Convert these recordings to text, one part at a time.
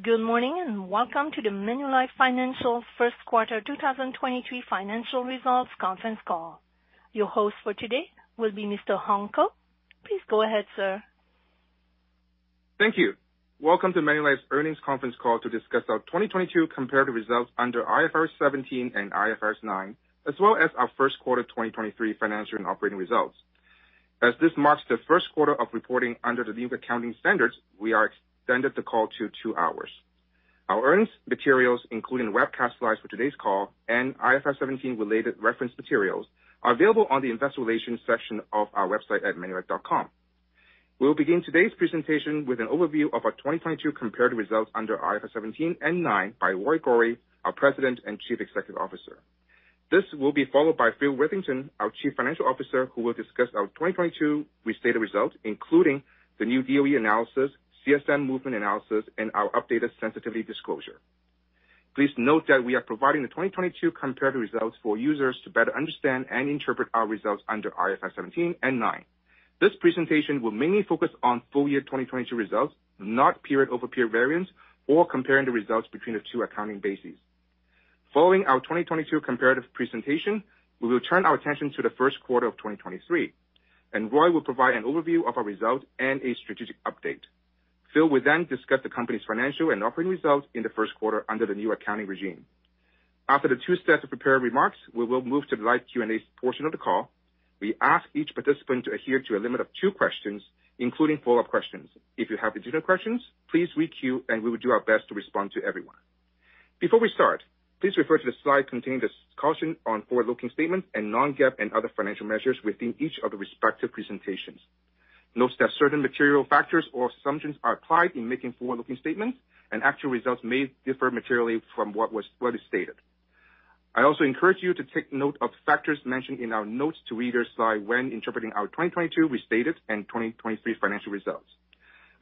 Good morning, welcome to the Manulife Financial first quarter 2023 financial results conference call. Your host for today will be Mr. Hung Ko. Please go ahead, sir. Thank you. Welcome to Manulife's earnings conference call to discuss our 2022 comparative results under IFRS 17 and IFRS 9, as well as our first quarter 2023 financial and operating results. As this marks the first quarter of reporting under the new accounting standards, we are extended the call to 2 hours. Our earnings materials, including webcast slides for today's call and IFRS 17 related reference materials, are available on the investor relations section of our website at manulife.com. We'll begin today's presentation with an overview of our 2022 comparative results under IFRS 17 and nine by Roy Gori, our President and Chief Executive Officer. This will be followed by Phil Witherington, our Chief Financial Officer, who will discuss our 2022 restated results, including the new DOE analysis, CSM movement analysis, and our updated sensitivity disclosure. Please note that we are providing the 2022 comparative results for users to better understand and interpret our results under IFRS 17 and 9. This presentation will mainly focus on full year 2022 results, not period-over-period variance, or comparing the results between the two accounting bases. Following our 2022 comparative presentation, we will turn our attention to the first quarter of 2023. Roy will provide an overview of our results and a strategic update. Phil will discuss the company's financial and operating results in the first quarter under the new accounting regime. After the two sets of prepared remarks, we will move to the live Q&A portion of the call. We ask each participant to adhere to a limit of two questions, including follow-up questions. If you have additional questions, please re-queue. We will do our best to respond to everyone. Before we start, please refer to the slide containing this caution on forward-looking statements and non-GAAP and other financial measures within each of the respective presentations. Note that certain material factors or assumptions are applied in making forward-looking statements and actual results may differ materially from what is stated. I also encourage you to take note of factors mentioned in our notes to readers slide when interpreting our 2022 restated and 2023 financial results.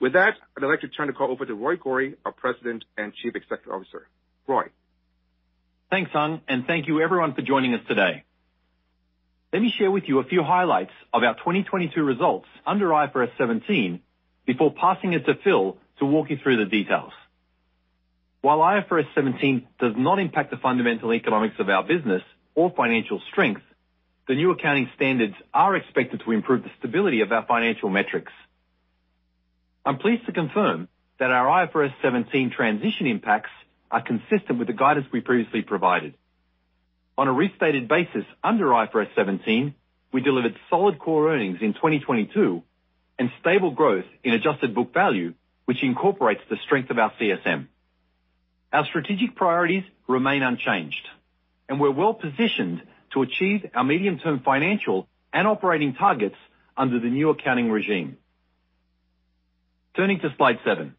I'd like to turn the call over to Roy Gori, our President and Chief Executive Officer. Roy. Thanks, Hung. Thank you everyone for joining us today. Let me share with you a few highlights of our 2022 results under IFRS 17 before passing it to Phil to walk you through the details. While IFRS 17 does not impact the fundamental economics of our business or financial strength, the new accounting standards are expected to improve the stability of our financial metrics. I'm pleased to confirm that our IFRS 17 transition impacts are consistent with the guidance we previously provided. On a restated basis under IFRS 17, we delivered solid core earnings in 2022 and stable growth in adjusted book value, which incorporates the strength of our CSM. Our strategic priorities remain unchanged, and we're well-positioned to achieve our medium-term financial and operating targets under the new accounting regime. Turning to slide 7.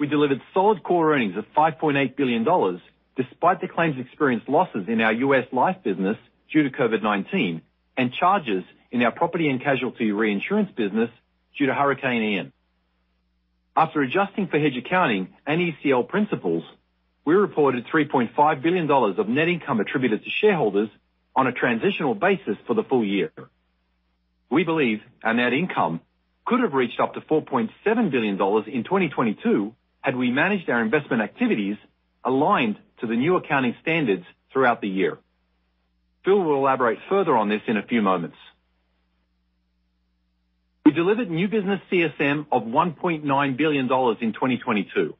We delivered solid core earnings of 5.8 billion dollars despite the claims-experienced losses in our U.S. life business due to COVID-19 and charges in our property and casualty reinsurance business due to Hurricane Ian. After adjusting for hedge accounting and ECL principles, we reported 3.5 billion dollars of net income attributed to shareholders on a transitional basis for the full year. We believe our net income could have reached up to 4.7 billion dollars in 2022 had we managed our investment activities aligned to the new accounting standards throughout the year. Phil will elaborate further on this in a few moments. We delivered new business CSM of 1.9 billion dollars in 2022,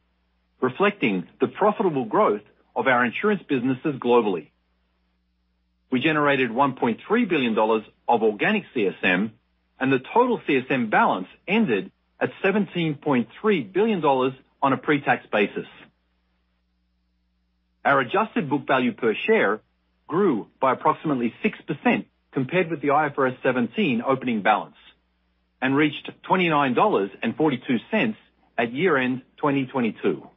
reflecting the profitable growth of our insurance businesses globally. We generated 1.3 billion dollars of organic CSM. The total CSM balance ended at 17.3 billion dollars on a pre-tax basis. Our adjusted book value per share grew by approximately 6% compared with the IFRS 17 opening balance and reached 29.42 dollars at year-end 2022.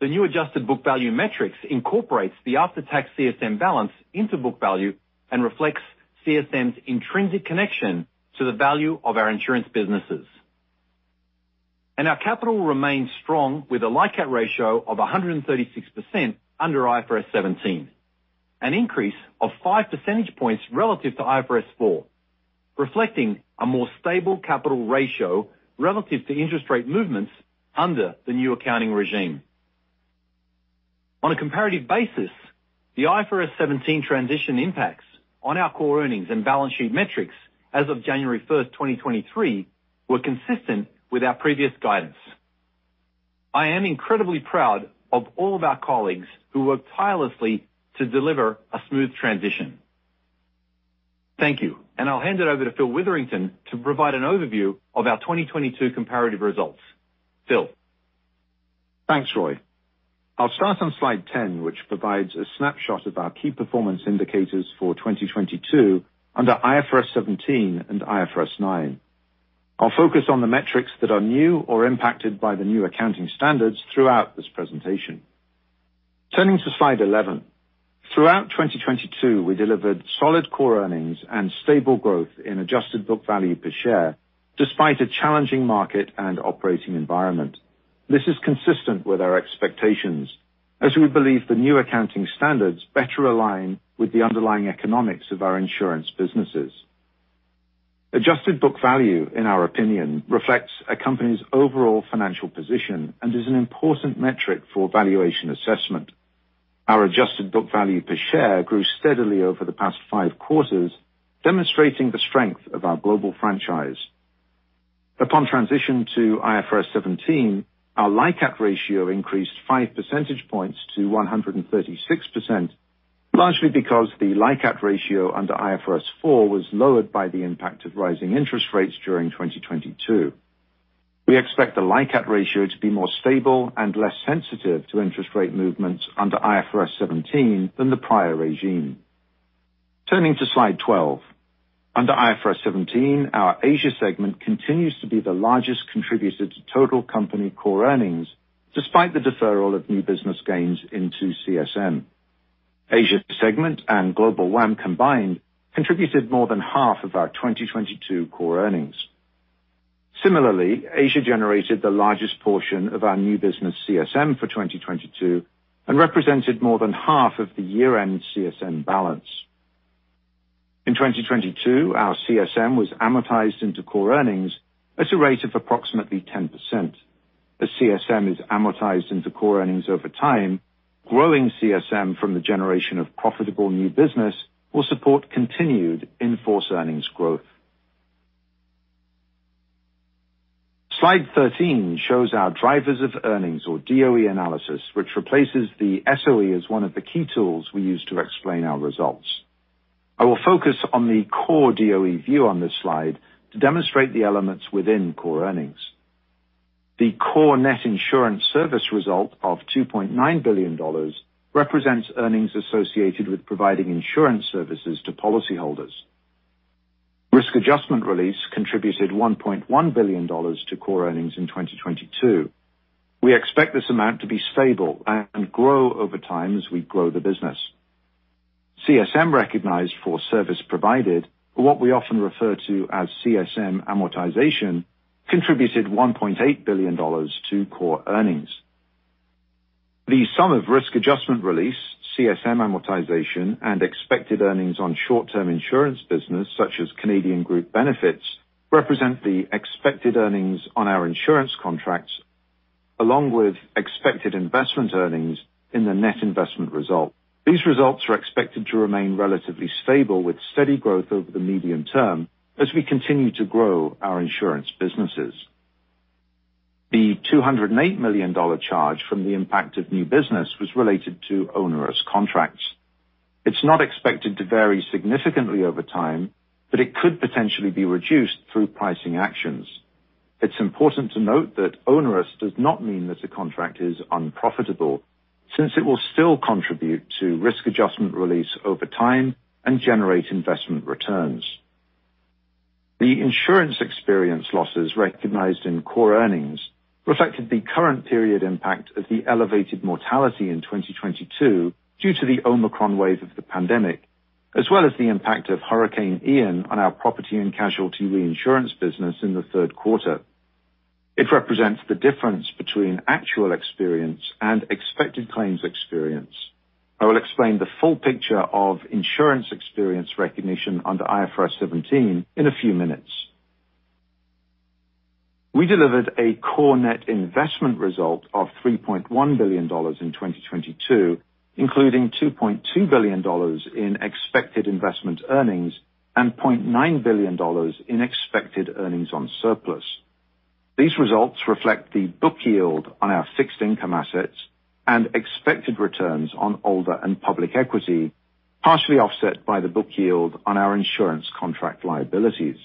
The new adjusted book value metrics incorporates the after-tax CSM balance into book value and reflects CSM's intrinsic connection to the value of our insurance businesses. Our capital remains strong with a LICAT ratio of 136% under IFRS 17, an increase of 5 percentage points relative to IFRS 4, reflecting a more stable capital ratio relative to interest rate movements under the new accounting regime. On a comparative basis, the IFRS 17 transition impacts on our core earnings and balance sheet metrics as of January 1, 2023, were consistent with our previous guidance. I am incredibly proud of all of our colleagues who worked tirelessly to deliver a smooth transition. Thank you. I'll hand it over to Phil Witherington to provide an overview of our 2022 comparative results. Phil. Thanks, Roy. I'll start on slide 10, which provides a snapshot of our key performance indicators for 2022 under IFRS 17 and IFRS 9. I'll focus on the metrics that are new or impacted by the new accounting standards throughout this presentation. Turning to slide 11. Throughout 2022, we delivered solid core earnings and stable growth in adjusted book value per share despite a challenging market and operating environment. This is consistent with our expectations as we believe the new accounting standards better align with the underlying economics of our insurance businesses. Adjusted book value, in our opinion, reflects a company's overall financial position and is an important metric for valuation assessment. Our adjusted book value per share grew steadily over the past 5 quarters, demonstrating the strength of our global franchise. Upon transition to IFRS 17, our LICAT ratio increased 5 percentage points to 136%, largely because the LICAT ratio under IFRS 4 was lowered by the impact of rising interest rates during 2022. We expect the LICAT ratio to be more stable and less sensitive to interest rate movements under IFRS 17 than the prior regime. Turning to slide 12. Under IFRS 17, our Asia segment continues to be the largest contributor to total company core earnings, despite the deferral of new business gains into CSM. Asia segment and Global WAM combined contributed more than half of our 2022 core earnings. Similarly, Asia generated the largest portion of our new business CSM for 2022 and represented more than half of the year-end CSM balance. In 2022, our CSM was amortized into core earnings at a rate of approximately 10%. The CSM is amortized into core earnings over time, growing CSM from the generation of profitable new business will support continued in force earnings growth. Slide 13 shows our drivers of earnings or DOE analysis, which replaces the SOE as one of the key tools we use to explain our results. I will focus on the core DOE view on this slide to demonstrate the elements within core earnings. The core net insurance service result of 2.9 billion dollars represents earnings associated with providing insurance services to policyholders. Risk adjustment release contributed 1.1 billion dollars to core earnings in 2022. We expect this amount to be stable and grow over time as we grow the business. CSM recognized for service provided, what we often refer to as CSM amortization, contributed 1.8 billion dollars to core earnings. The sum of risk adjustment release, CSM amortization, and expected earnings on short-term insurance business, such as Canadian Group Benefits, represent the expected earnings on our insurance contracts, along with expected investment earnings in the net investment result. These results are expected to remain relatively stable with steady growth over the medium term as we continue to grow our insurance businesses. The 208 million dollar charge from the impact of new business was related to onerous contracts. It's not expected to vary significantly over time, but it could potentially be reduced through pricing actions. It's important to note that onerous does not mean that the contract is unprofitable, since it will still contribute to risk adjustment release over time and generate investment returns. The insurance experience losses recognized in core earnings reflected the current period impact of the elevated mortality in 2022 due to the Omicron wave of the pandemic, as well as the impact of Hurricane Ian on our property and casualty reinsurance business in the third quarter. It represents the difference between actual experience and expected claims experience. I will explain the full picture of insurance experience recognition under IFRS 17 in a few minutes. We delivered a core net investment result of CAD 3.1 billion in 2022, including CAD 2.2 billion in expected investment earnings and CAD 0.9 billion in expected earnings on surplus. These results reflect the book yield on our fixed income assets and expected returns on ALDA and public equity, partially offset by the book yield on our insurance contract liabilities.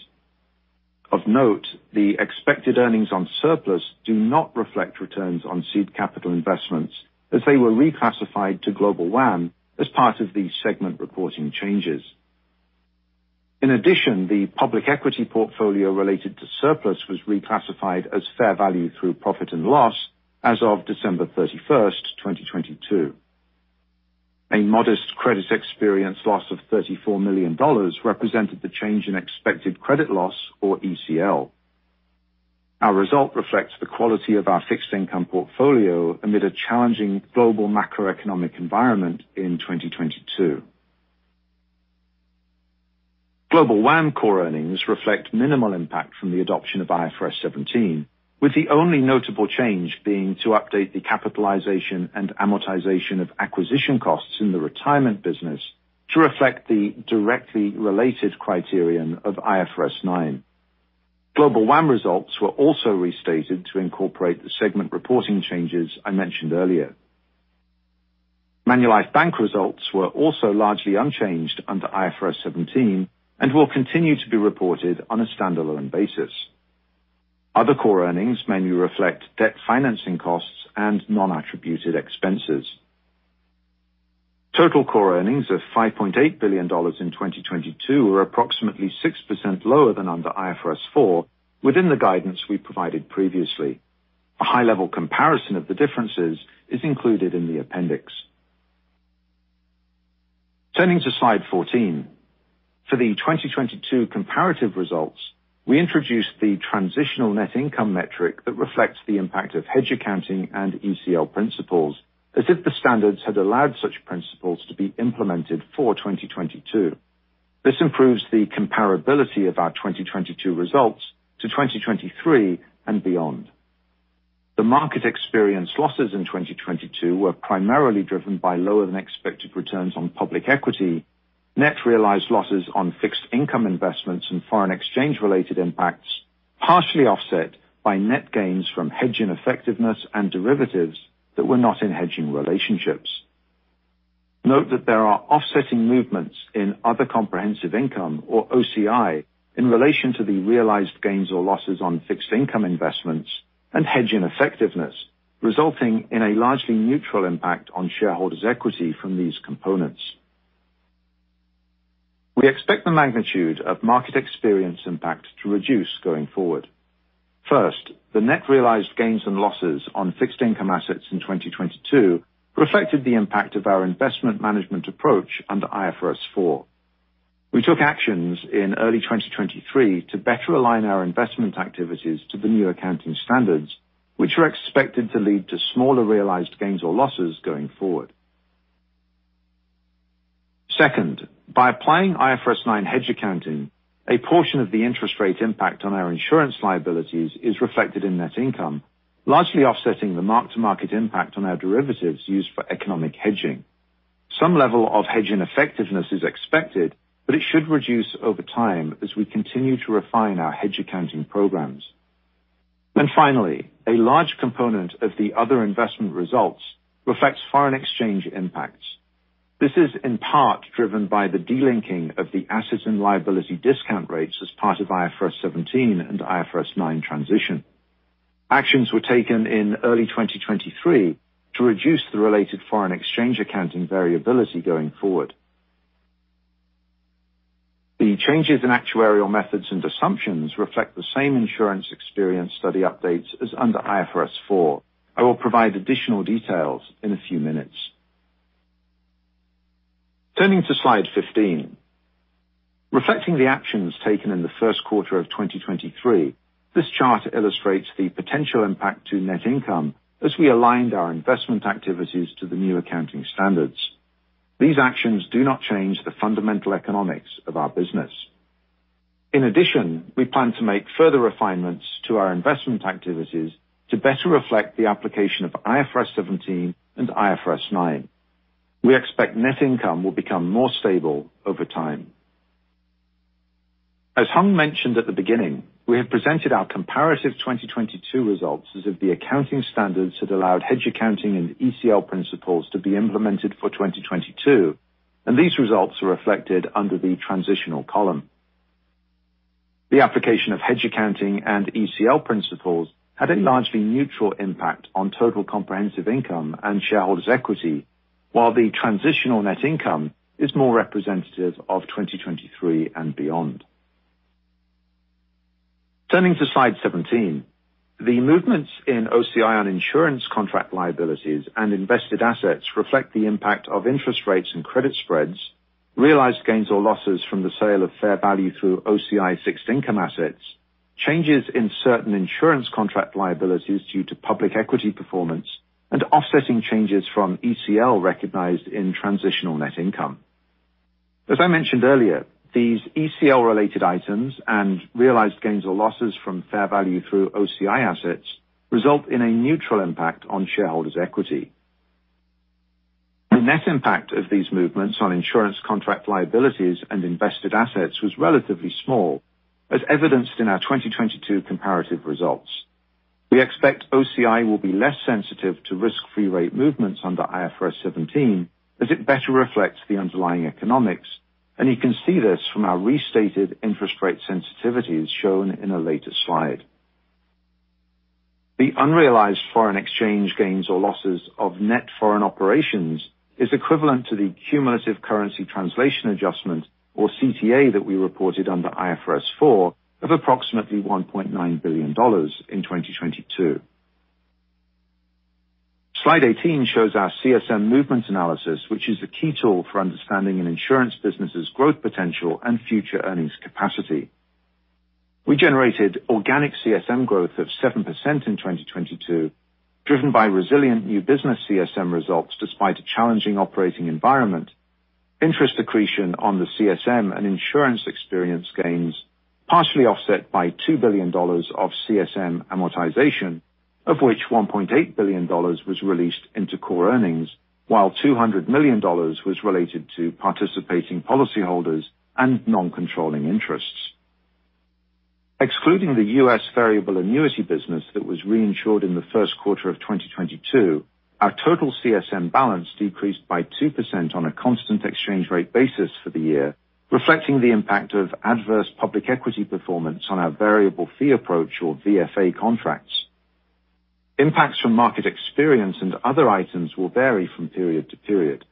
Of note, the expected earnings on surplus do not reflect returns on seed capital investments as they were reclassified to Global WAM as part of the segment reporting changes. The public equity portfolio related to surplus was reclassified as Fair Value Through Profit or Loss as of December 31st, 2022. A modest credit experience loss of 34 million dollars represented the change in expected credit loss or ECL. Our result reflects the quality of our fixed income portfolio amid a challenging global macroeconomic environment in 2022. Global WAM core earnings reflect minimal impact from the adoption of IFRS 17, with the only notable change being to update the capitalization and amortization of acquisition costs in the retirement business to reflect the directly related criterion of IFRS 9. Global WAM results were also restated to incorporate the segment reporting changes I mentioned earlier. Manulife Bank results were also largely unchanged under IFRS 17 and will continue to be reported on a standalone basis. Other core earnings mainly reflect debt financing costs and non-attributed expenses. Total core earnings of 5.8 billion dollars in 2022 were approximately 6% lower than under IFRS 4 within the guidance we provided previously. A high-level comparison of the differences is included in the appendix. Turning to slide 14. For the 2022 comparative results. We introduced the transitional net income metric that reflects the impact of hedge accounting and ECL principles, as if the standards had allowed such principles to be implemented for 2022. This improves the comparability of our 2022 results to 2023 and beyond. The market experience losses in 2022 were primarily driven by lower than expected returns on public equity. Net realized losses on fixed income investments and foreign exchange related impacts, partially offset by net gains from hedging effectiveness and derivatives that were not in hedging relationships. Note that there are offsetting movements in other comprehensive income or OCI, in relation to the realized gains or losses on fixed income investments and hedging effectiveness, resulting in a largely neutral impact on shareholders equity from these components. We expect the magnitude of market experience impact to reduce going forward. The net realized gains and losses on fixed income assets in 2022 reflected the impact of our investment management approach under IFRS 4. We took actions in early 2023 to better align our investment activities to the new accounting standards, which are expected to lead to smaller realized gains or losses going forward. Second, by applying IFRS 9 hedge accounting, a portion of the interest rate impact on our insurance liabilities is reflected in net income, largely offsetting the mark-to-market impact on our derivatives used for economic hedging. Some level of hedge and effectiveness is expected, but it should reduce over time as we continue to refine our hedge accounting programs. Finally, a large component of the other investment results reflects foreign exchange impacts. This is in part driven by the delinking of the assets and liability discount rates as part of IFRS 17 and IFRS 9 transition. Actions were taken in early 2023 to reduce the related foreign exchange accounting variability going forward. The changes in actuarial methods and assumptions reflect the same insurance experience study updates as under IFRS 4. I will provide additional details in a few minutes. Turning to slide 15. Reflecting the actions taken in the first quarter of 2023, this chart illustrates the potential impact to net income as we aligned our investment activities to the new accounting standards. These actions do not change the fundamental economics of our business. In addition, we plan to make further refinements to our investment activities to better reflect the application of IFRS 17 and IFRS 9. We expect net income will become more stable over time. As Hung mentioned at the beginning, we have presented our comparative 2022 results as if the accounting standards had allowed hedge accounting and ECL principles to be implemented for 2022, and these results are reflected under the transitional column. The application of hedge accounting and ECL principles had a largely neutral impact on total comprehensive income and shareholders equity, while the transitional net income is more representative of 2023 and beyond. Turning to slide 17. The movements in OCI on insurance contract liabilities and invested assets reflect the impact of interest rates and credit spreads, realized gains or losses from the sale of fair value through OCI fixed income assets, changes in certain insurance contract liabilities due to public equity performance, and offsetting changes from ECL recognized in transitional net income. As I mentioned earlier, these ECL related items and realized gains or losses from fair value through OCI assets result in a neutral impact on shareholders equity. The net impact of these movements on insurance contract liabilities and invested assets was relatively small, as evidenced in our 2022 comparative results. We expect OCI will be less sensitive to risk-free rate movements under IFRS 17, as it better reflects the underlying economics, and you can see this from our restated interest rate sensitivities shown in a later slide. The unrealized foreign exchange gains or losses of net foreign operations is equivalent to the cumulative currency translation adjustment or Cumulative Translation Adjustment (CTA) that we reported under IFRS 4 of approximately 1.9 billion dollars in 2022. Slide 18 shows our CSM movement analysis, which is a key tool for understanding an insurance business's growth potential and future earnings capacity. We generated organic CSM growth of 7% in 2022, driven by resilient new business CSM results despite a challenging operating environment. Interest accretion on the CSM and insurance experience gains, partially offset by 2 billion dollars of CSM amortization, of which 1.8 billion dollars was released into core earnings, while 200 million dollars was related to participating policyholders and non-controlling interests. Excluding the US variable annuity business that was reinsured in the first quarter of 2022, our total CSM balance decreased by 2% on a constant exchange rate basis for the year, reflecting the impact of adverse public equity performance on our variable fee approach or VFA contracts. Impacts from market experience and other items will vary from period to period.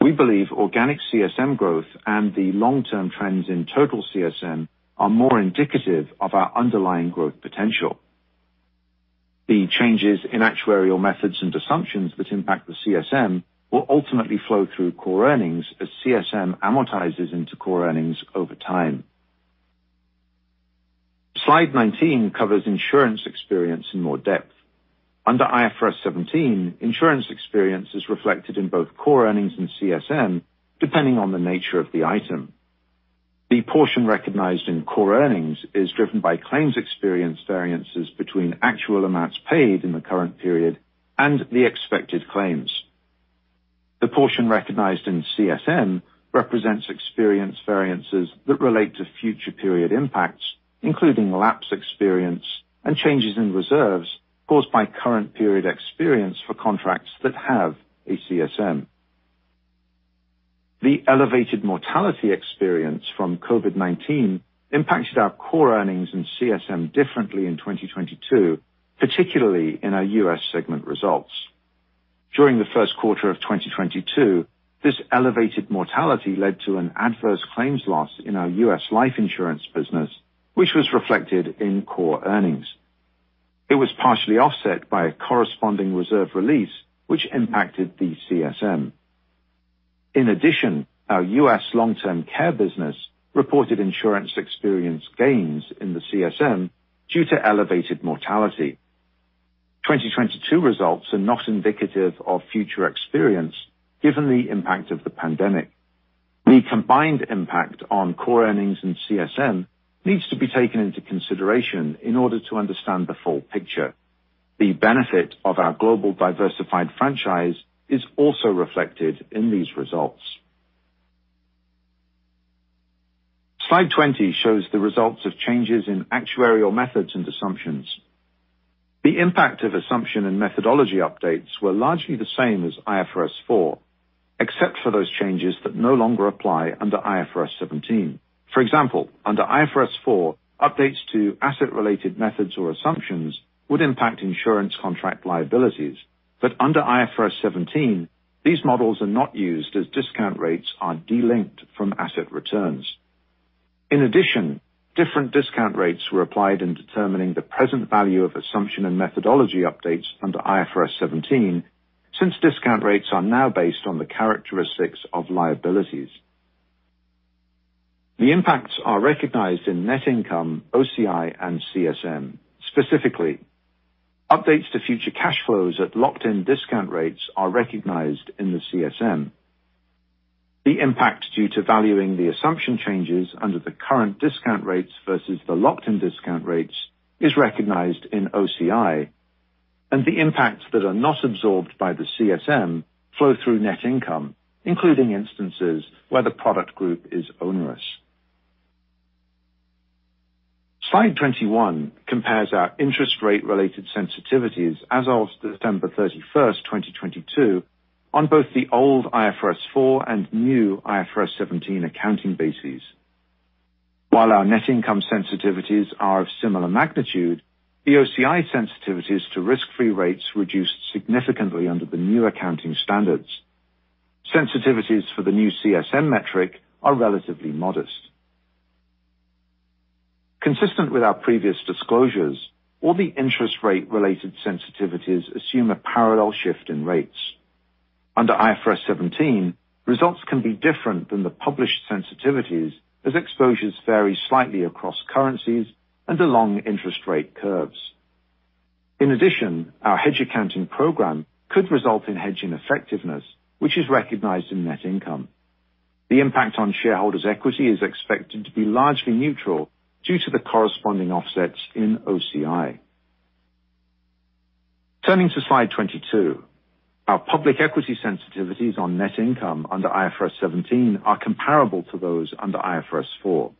We believe organic CSM growth and the long-term trends in total CSM are more indicative of our underlying growth potential. The changes in actuarial methods and assumptions which impact the CSM will ultimately flow through core earnings as CSM amortizes into core earnings over time. Slide 19 covers insurance experience in more depth. Under IFRS 17, insurance experience is reflected in both core earnings and CSM, depending on the nature of the item. The portion recognized in core earnings is driven by claims experience variances between actual amounts paid in the current period and the expected claims. The portion recognized in CSM represents experience variances that relate to future period impacts, including lapse experience and changes in reserves caused by current period experience for contracts that have a CSM. The elevated mortality experience from COVID-19 impacted our core earnings and CSM differently in 2022, particularly in our U.S. segment results. During the first quarter of 2022, this elevated mortality led to an adverse claims loss in our U.S. life insurance business, which was reflected in core earnings. It was partially offset by a corresponding reserve release which impacted the CSM. In addition, our U.S. long-term care business reported insurance experience gains in the CSM due to elevated mortality. 2022 results are not indicative of future experience, given the impact of the pandemic. The combined impact on core earnings and CSM needs to be taken into consideration in order to understand the full picture. The benefit of our global diversified franchise is also reflected in these results. Slide 20 shows the results of changes in actuarial methods and assumptions. The impact of assumption and methodology updates were largely the same as IFRS 4, except for those changes that no longer apply under IFRS 17. For example, under IFRS 4, updates to asset related methods or assumptions would impact insurance contract liabilities. Under IFRS 17, these models are not used as discount rates are de-linked from asset returns. Different discount rates were applied in determining the present value of assumption and methodology updates under IFRS 17 since discount rates are now based on the characteristics of liabilities. The impacts are recognized in net income, OCI and CSM. Specifically, updates to future cash flows at locked in discount rates are recognized in the CSM. The impact due to valuing the assumption changes under the current discount rates versus the locked in discount rates is recognized in OCI, and the impacts that are not absorbed by the CSM flow through net income, including instances where the product group is onerous. Slide 21 compares our interest rate related sensitivities as of September 30th, 2022 on both the old IFRS 4 and new IFRS 17 accounting bases. While our net income sensitivities are of similar magnitude, the OCI sensitivities to risk-free rates reduced significantly under the new accounting standards. Sensitivities for the new CSM metric are relatively modest. Consistent with our previous disclosures, all the interest rate related sensitivities assume a parallel shift in rates. Under IFRS 17, results can be different than the published sensitivities as exposures vary slightly across currencies and along interest rate curves. Our hedge accounting program could result in hedging effectiveness, which is recognized in net income. The impact on shareholders equity is expected to be largely neutral due to the corresponding offsets in OCI. Turning to slide 22. Our public equity sensitivities on net income under IFRS 17 are comparable to those under IFRS 4.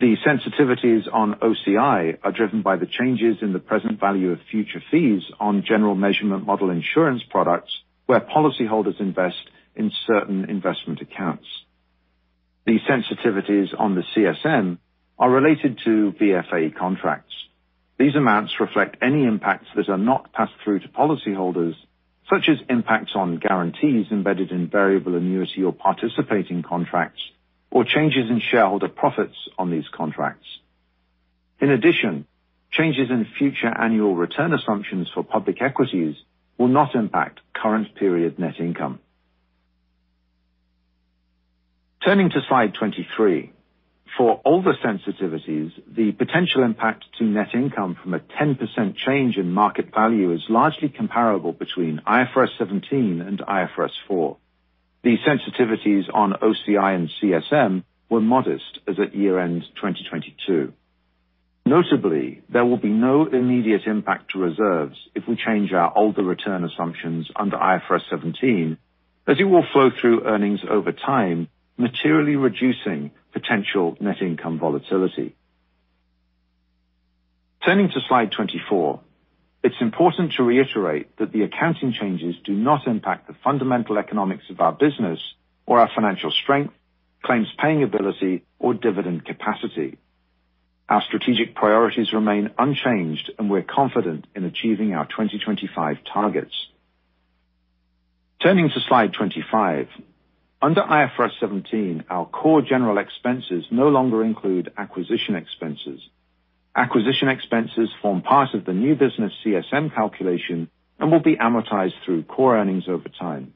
The sensitivities on OCI are driven by the changes in the present value of future fees on General Measurement Model insurance products where policyholders invest in certain investment accounts. The sensitivities on the CSM are related to VFA contracts. These amounts reflect any impacts that are not passed through to policyholders, such as impacts on guarantees embedded in variable annuity or participating contracts or changes in shareholder profits on these contracts. Changes in future annual return assumptions for public equities will not impact current period net income. Turning to slide 23. For all the sensitivities, the potential impact to net income from a 10% change in market value is largely comparable between IFRS 17 and IFRS 4. The sensitivities on OCI and CSM were modest as at year-end 2022. Notably, there will be no immediate impact to reserves if we change our ALDA return assumptions under IFRS 17, as it will flow through earnings over time, materially reducing potential net income volatility. Turning to slide 24. It's important to reiterate that the accounting changes do not impact the fundamental economics of our business or our financial strength, claims-paying ability or dividend capacity. Our strategic priorities remain unchanged. We're confident in achieving our 2025 targets. Turning to slide 25. Under IFRS 17, our core general expenses no longer include acquisition expenses. Acquisition expenses form part of the new business CSM calculation and will be amortized through core earnings over time.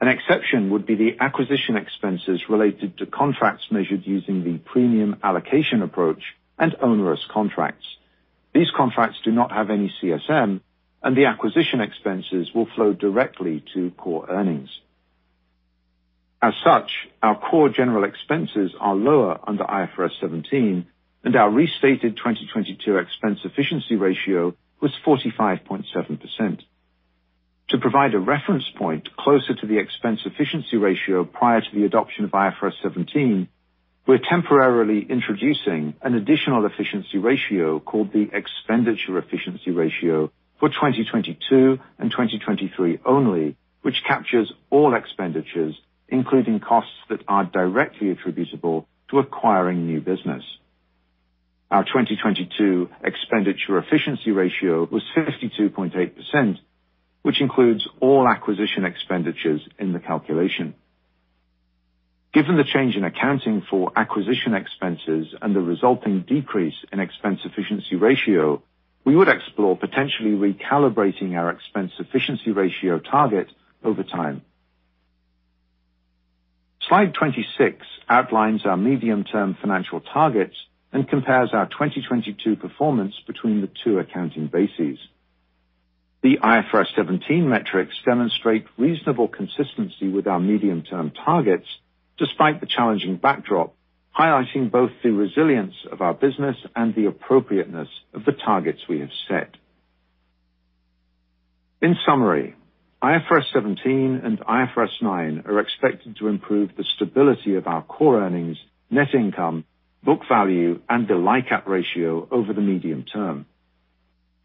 An exception would be the acquisition expenses related to contracts measured using the Premium Allocation Approach and onerous contracts. These contracts do not have any CSM, and the acquisition expenses will flow directly to core earnings. As such, our core general expenses are lower under IFRS 17 and our restated 2022 expense efficiency ratio was 45.7%. To provide a reference point closer to the expense efficiency ratio prior to the adoption of IFRS 17, we're temporarily introducing an additional efficiency ratio called the expenditure efficiency ratio for 2022 and 2023 only, which captures all expenditures, including costs that are directly attributable to acquiring new business. Our 2022 expenditure efficiency ratio was 52.8%, which includes all acquisition expenditures in the calculation. Given the change in accounting for acquisition expenses and the resulting decrease in expense efficiency ratio, we would explore potentially recalibrating our expense efficiency ratio target over time. Slide 26 outlines our medium-term financial targets and compares our 2022 performance between the two accounting bases. The IFRS 17 metrics demonstrate reasonable consistency with our medium-term targets, despite the challenging backdrop, highlighting both the resilience of our business and the appropriateness of the targets we have set. In summary, IFRS 17 and IFRS 9 are expected to improve the stability of our core earnings, net income, book value, and the LICAT ratio over the medium term.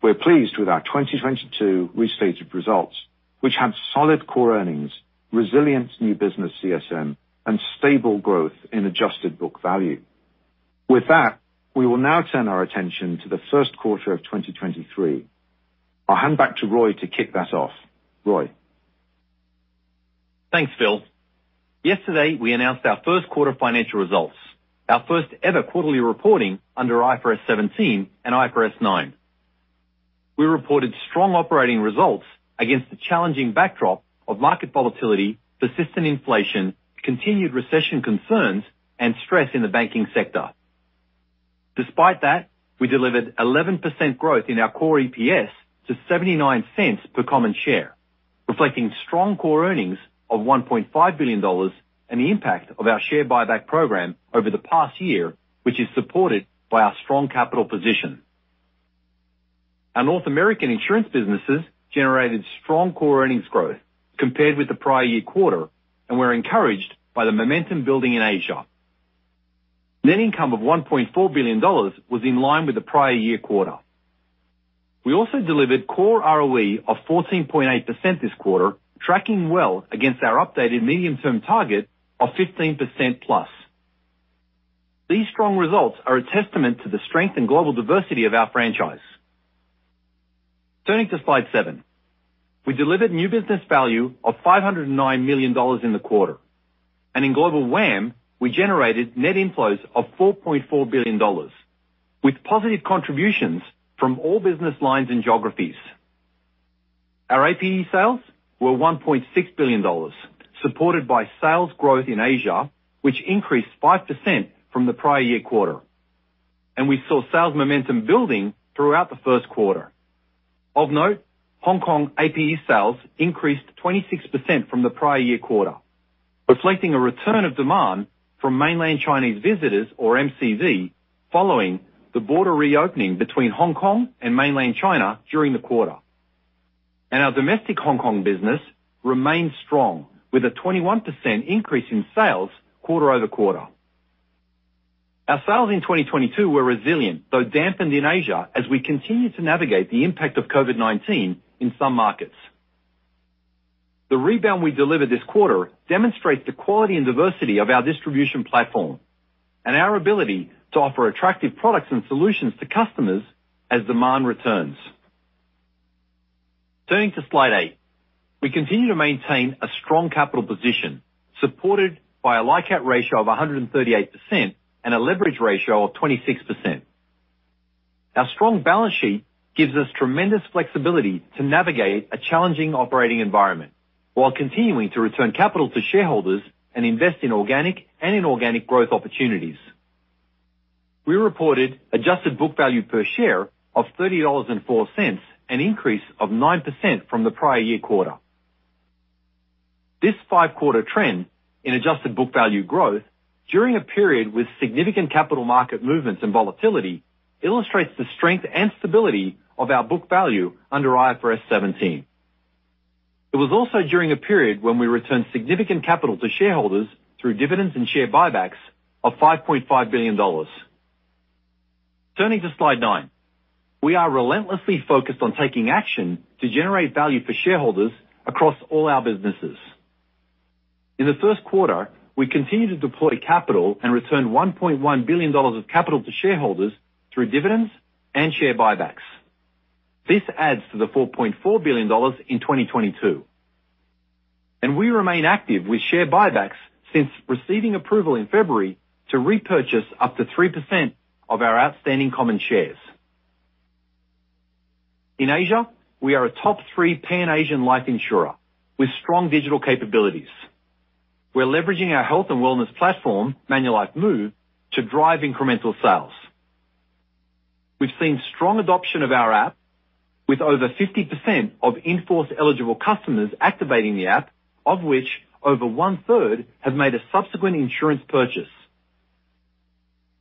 We're pleased with our 2022 restated results, which had solid core earnings, resilient new business CSM, and stable growth in adjusted book value. We will now turn our attention to the first quarter of 2023. I'll hand back to Roy to kick that off. Roy. Thanks, Phil. Yesterday, we announced our first quarter financial results, our first ever quarterly reporting under IFRS 17 and IFRS 9. We reported strong operating results against the challenging backdrop of market volatility, persistent inflation, continued recession concerns, and stress in the banking sector. Despite that, we delivered 11% growth in our core EPS to 0.79 per common share, reflecting strong core earnings of 1.5 billion dollars and the impact of our share buyback program over the past year, which is supported by our strong capital position. Our North American insurance businesses generated strong core earnings growth compared with the prior year quarter, and we're encouraged by the momentum building in Asia. Net income of 1.4 billion dollars was in line with the prior year quarter. We also delivered core ROE of 14.8% this quarter, tracking well against our updated medium-term target of 15%+. These strong results are a testament to the strength and global diversity of our franchise. Turning to slide 7. We delivered new business value of $509 million in the quarter. In Global WAM, we generated net inflows of $4.4 billion, with positive contributions from all business lines and geographies. Our APE sales were $1.6 billion, supported by sales growth in Asia, which increased 5% from the prior year quarter. We saw sales momentum building throughout the first quarter. Of note, Hong Kong APE sales increased 26% from the prior year quarter, reflecting a return of demand from mainland Chinese visitors or MCV following the border reopening between Hong Kong and mainland China during the quarter. Our domestic Hong Kong business remains strong with a 21% increase in sales quarter-over-quarter. Our sales in 2022 were resilient, though dampened in Asia as we continue to navigate the impact of COVID-19 in some markets. The rebound we delivered this quarter demonstrates the quality and diversity of our distribution platform and our ability to offer attractive products and solutions to customers as demand returns. Turning to slide 8. We continue to maintain a strong capital position supported by a LICAT ratio of 138% and a leverage ratio of 26%. Our strong balance sheet gives us tremendous flexibility to navigate a challenging operating environment while continuing to return capital to shareholders and invest in organic and inorganic growth opportunities. We reported adjusted book value per share of 30.04 dollars, an increase of 9% from the prior-year quarter. This five-quarter trend in adjusted book value growth during a period with significant capital market movements and volatility illustrates the strength and stability of our book value under IFRS 17. It was also during a period when we returned significant capital to shareholders through dividends and share buybacks of 5.5 billion dollars. Turning to slide 9. We are relentlessly focused on taking action to generate value for shareholders across all our businesses. In the first quarter, we continued to deploy capital and return 1.1 billion dollars of capital to shareholders through dividends and share buybacks. This adds to the $40.4 billion in 2022. We remain active with share buybacks since receiving approval in February to repurchase up to 3% of our outstanding common shares. In Asia, we are a top three Pan-Asian life insurer with strong digital capabilities. We're leveraging our health and wellness platform, ManulifeMOVE, to drive incremental sales. We've seen strong adoption of our app with over 50% of in-force eligible customers activating the app, of which over one-third have made a subsequent insurance purchase.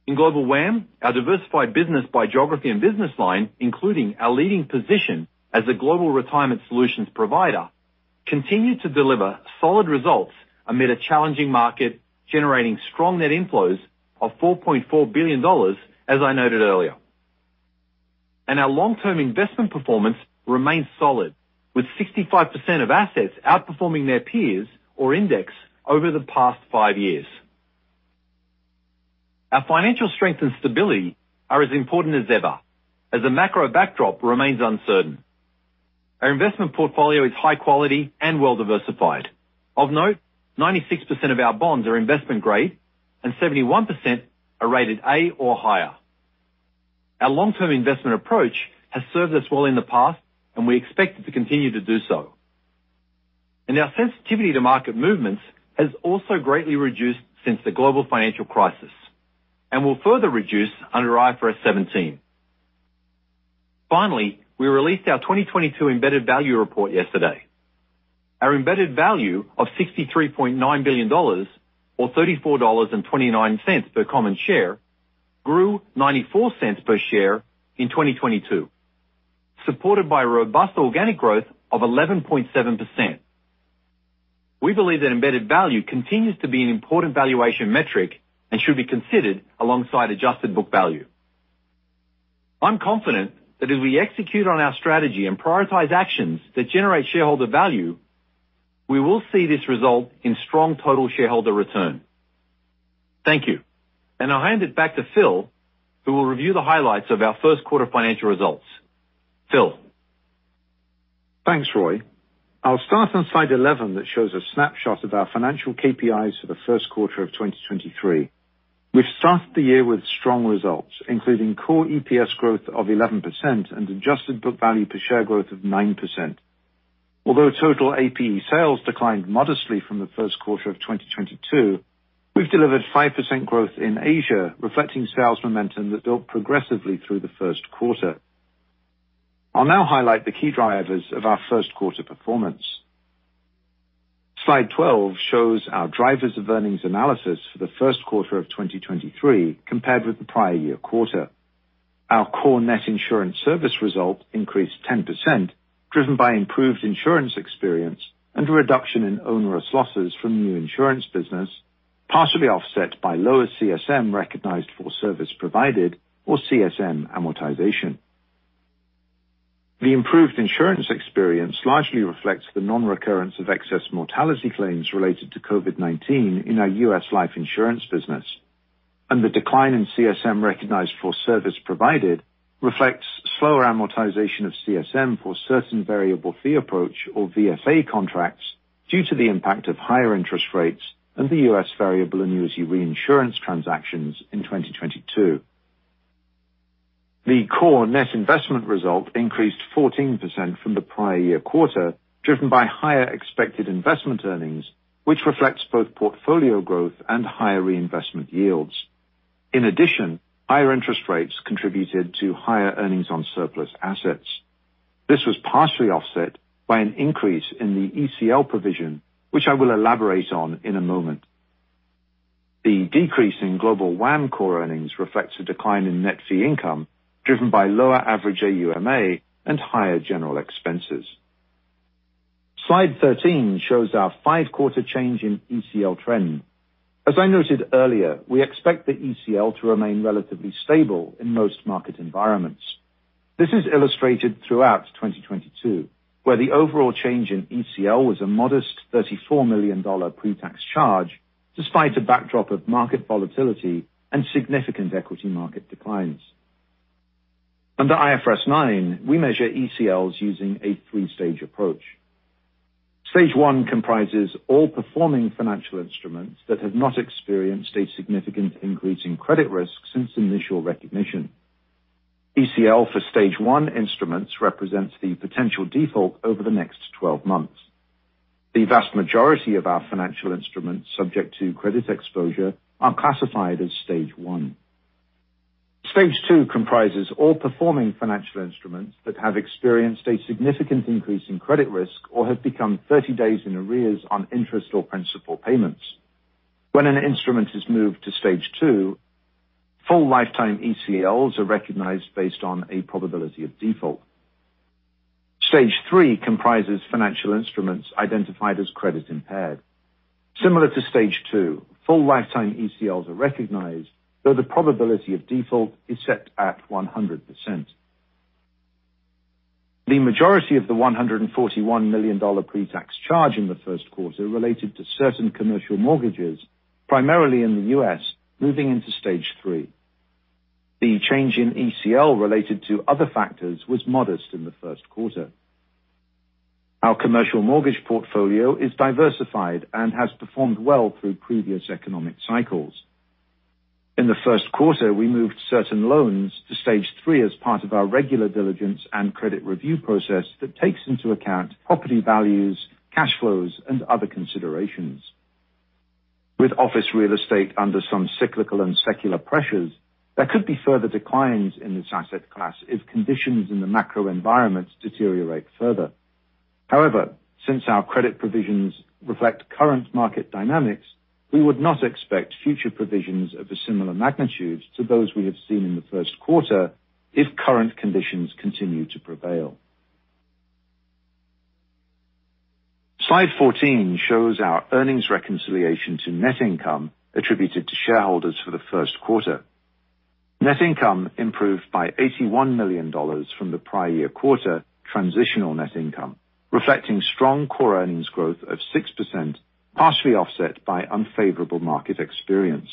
In Global WAM, our diversified business by geography and business line, including our leading position as a global retirement solutions provider, continued to deliver solid results amid a challenging market, generating strong net inflows of $4.4 billion, as I noted earlier. Our long-term investment performance remains solid, with 65% of assets outperforming their peers or index over the past 5 years. Our financial strength and stability are as important as ever, as the macro backdrop remains uncertain. Our investment portfolio is high quality and well-diversified. Of note, 96% of our bonds are investment grade and 71% are rated A or higher. Our long-term investment approach has served us well in the past, and we expect it to continue to do so. Our sensitivity to market movements has also greatly reduced since the Global Financial Crisis and will further reduce under IFRS 17. Finally, we released our 2022 embedded value report yesterday. Our embedded value of CAD 63.9 billion or CAD 34.29 per common share grew 0.94 per share in 2022, supported by robust organic growth of 11.7%. We believe that embedded value continues to be an important valuation metric and should be considered alongside adjusted book value. I'm confident that as we execute on our strategy and prioritize actions that generate shareholder value, we will see this result in strong total shareholder return. Thank you. I'll hand it back to Phil, who will review the highlights of our first quarter financial results. Phil? Thanks, Roy. I'll start on slide 11 that shows a snapshot of our financial KPIs for the first quarter of 2023. We've started the year with strong results, including core EPS growth of 11% and adjusted book value per share growth of 9%. Although total APE sales declined modestly from the first quarter of 2022, we've delivered 5% growth in Asia, reflecting sales momentum that built progressively through the first quarter. I'll now highlight the key drivers of our first quarter performance. Slide 12 shows our drivers of earnings analysis for the first quarter of 2023 compared with the prior year quarter. Our core net insurance service result increased 10%, driven by improved insurance experience and a reduction in onerous losses from new insurance business, partially offset by lower CSM recognized for service provided or CSM amortization. The improved insurance experience largely reflects the nonrecurrence of excess mortality claims related to COVID-19 in our U.S. life insurance business. The decline in CSM recognized for service provided reflects slower amortization of CSM for certain variable fee approach or VFA contracts due to the impact of higher interest rates and the U.S. variable annuity reinsurance transactions in 2022. The core net investment result increased 14% from the prior year quarter, driven by higher expected investment earnings, which reflects both portfolio growth and higher reinvestment yields. In addition, higher interest rates contributed to higher earnings on surplus assets. This was partially offset by an increase in the ECL provision, which I will elaborate on in a moment. The decrease in Global WAM core earnings reflects a decline in net fee income driven by lower average AUMA and higher general expenses. Slide 13 shows our 5-quarter change in ECL trend. As I noted earlier, we expect the ECL to remain relatively stable in most market environments. This is illustrated throughout 2022, where the overall change in ECL was a modest CAD 34 million pre-tax charge despite a backdrop of market volatility and significant equity market declines. Under IFRS 9, we measure ECLs using a 3-stage approach. Stage 1 comprises all performing financial instruments that have not experienced a significant increase in credit risk since initial recognition. ECL for Stage 1 instruments represents the potential default over the next 12 months. The vast majority of our financial instruments subject to credit exposure are classified as Stage 1. Stage 2 comprises all performing financial instruments that have experienced a significant increase in credit risk or have become 30 days in arrears on interest or principal payments. When an instrument is moved to stage 2, full lifetime ECLs are recognized based on a probability of default. Stage 3 comprises financial instruments identified as credit impaired. Similar to stage 2, full lifetime ECLs are recognized, though the probability of default is set at 100%. The majority of the 141 million dollar pre-tax charge in the first quarter related to certain commercial mortgages, primarily in the US, moving into stage 3. The change in ECL related to other factors was modest in the first quarter. Our commercial mortgage portfolio is diversified and has performed well through previous economic cycles. In the first quarter, we moved certain loans to stage 3 as part of our regular diligence and credit review process that takes into account property values, cash flows and other considerations. With office real estate under some cyclical and secular pressures, there could be further declines in this asset class if conditions in the macro environment deteriorate further. Since our credit provisions reflect current market dynamics, we would not expect future provisions of a similar magnitude to those we have seen in the first quarter if current conditions continue to prevail. Slide 14 shows our earnings reconciliation to net income attributed to shareholders for the first quarter. Net income improved by 81 million dollars from the prior year quarter transitional net income, reflecting strong core earnings growth of 6%, partially offset by unfavorable market experience.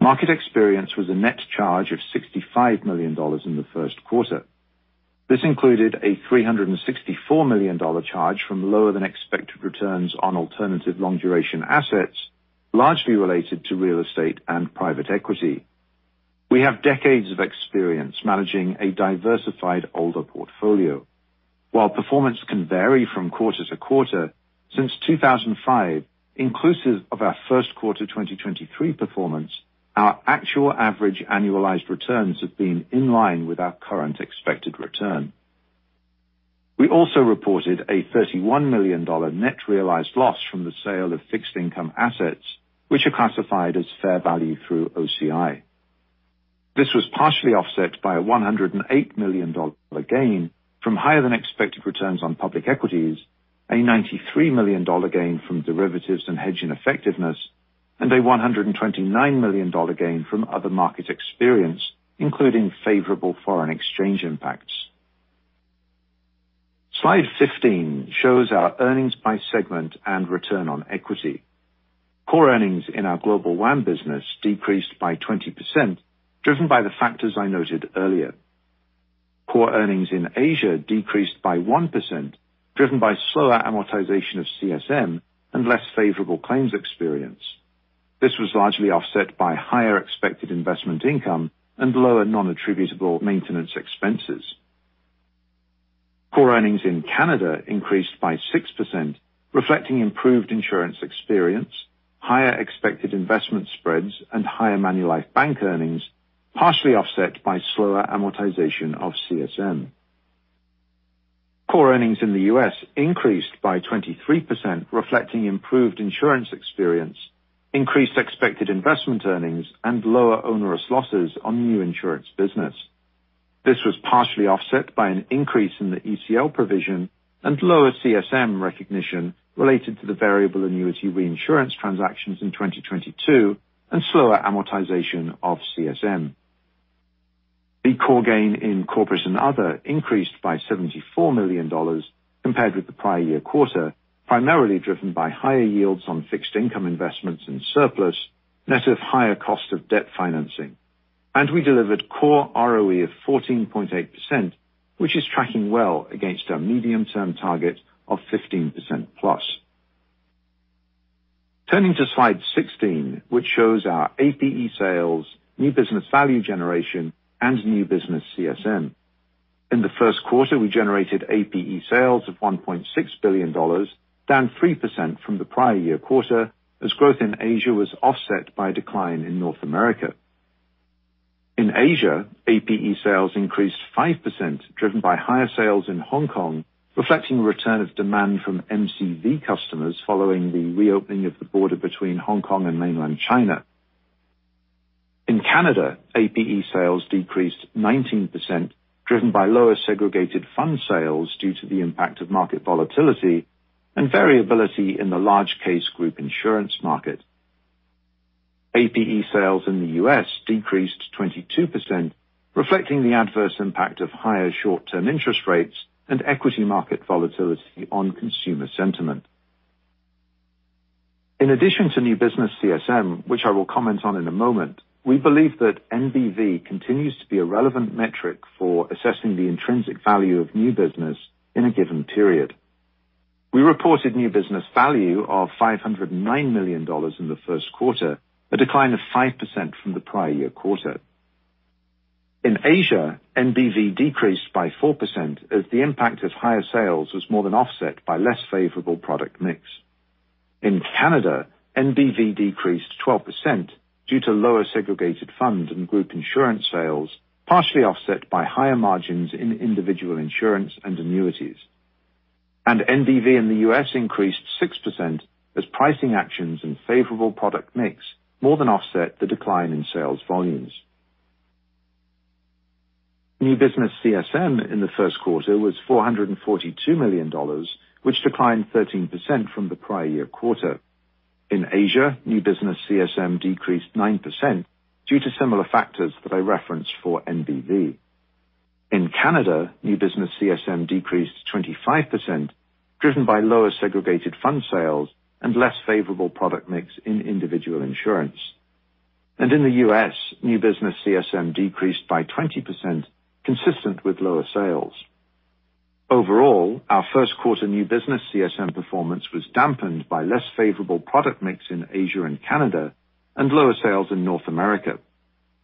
Market experience was a net charge of 65 million dollars in the first quarter. This included a 364 million dollar charge from lower than expected returns on alternative long duration assets, largely related to real estate and private equity. We have decades of experience managing a diversified ALDA portfolio. While performance can vary from quarter to quarter, since 2005, inclusive of our first quarter 2023 performance, our actual average annualized returns have been in line with our current expected return. We also reported a 31 million dollar net realized loss from the sale of fixed income assets, which are classified as Fair Value Through OCI. This was partially offset by a 108 million dollar gain from higher than expected returns on public equities. A 93 million dollar gain from derivatives and hedging effectiveness, a 129 million dollar gain from other market experience, including favorable foreign exchange impacts. Slide 15 shows our earnings by segment and return on equity. Core earnings in our Global WAM business decreased by 20%, driven by the factors I noted earlier. Core earnings in Asia decreased by 1%, driven by slower amortization of CSM and less favorable claims experience. This was largely offset by higher expected investment income and lower non-attributable maintenance expenses. Core earnings in Canada increased by 6%, reflecting improved insurance experience, higher expected investment spreads, and higher Manulife Bank earnings, partially offset by slower amortization of CSM. Core earnings in the U.S. increased by 23%, reflecting improved insurance experience, increased expected investment earnings and lower onerous losses on new insurance business. This was partially offset by an increase in the ECL provision and lower CSM recognition related to the variable annuity reinsurance transactions in 2022 and slower amortization of CSM. The core gain in corporate and other increased by 74 million dollars compared with the prior year quarter, primarily driven by higher yields on fixed income investments and surplus, net of higher cost of debt financing. We delivered core ROE of 14.8%, which is tracking well against our medium-term target of 15%+. Turning to slide 16, which shows our APE sales, new business value generation, and new business CSM. In the first quarter, we generated APE sales of 1.6 billion dollars, down 3% from the prior year quarter as growth in Asia was offset by a decline in North America. In Asia, APE sales increased 5%, driven by higher sales in Hong Kong, reflecting return of demand from MCV customers following the reopening of the border between Hong Kong and mainland China. In Canada, APE sales decreased 19%, driven by lower segregated fund sales due to the impact of market volatility and variability in the large case group insurance market. APE sales in the US decreased 22%, reflecting the adverse impact of higher short-term interest rates and equity market volatility on consumer sentiment. In addition to new business CSM, which I will comment on in a moment, we believe that NBV continues to be a relevant metric for assessing the intrinsic value of new business in a given period. We reported new business value of 509 million dollars in the first quarter, a decline of 5% from the prior year quarter. In Asia, NBV decreased by 4% as the impact of higher sales was more than offset by less favorable product mix. In Canada, NBV decreased 12% due to lower segregated fund and Group Benefits sales, partially offset by higher margins in individual insurance and annuities. NBV in the U.S. increased 6% as pricing actions and favorable product mix more than offset the decline in sales volumes. New business CSM in the first quarter was 442 million dollars, which declined 13% from the prior year quarter. In Asia, new business CSM decreased 9% due to similar factors that I referenced for NBV. In Canada, new business CSM decreased 25%, driven by lower segregated fund sales and less favorable product mix in individual insurance. In the U.S., new business CSM decreased by 20%, consistent with lower sales. Overall, our first quarter new business CSM performance was dampened by less favorable product mix in Asia and Canada and lower sales in North America.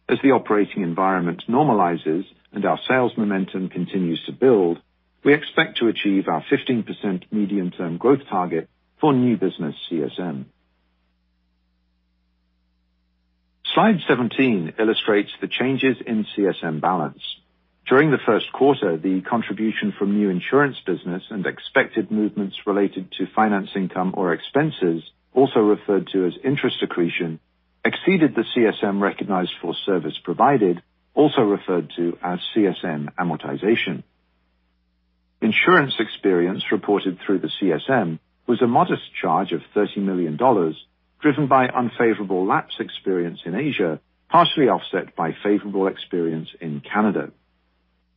As the operating environment normalizes and our sales momentum continues to build, we expect to achieve our 15% medium-term growth target for new business CSM. Slide 17 illustrates the changes in CSM balance. During the first quarter, the contribution from new insurance business and expected movements related to finance income or expenses, also referred to as interest accretion, exceeded the CSM recognized for service provided, also referred to as CSM amortization. Insurance experience reported through the CSM was a modest charge of 30 million dollars, driven by unfavorable lapse experience in Asia, partially offset by favorable experience in Canada.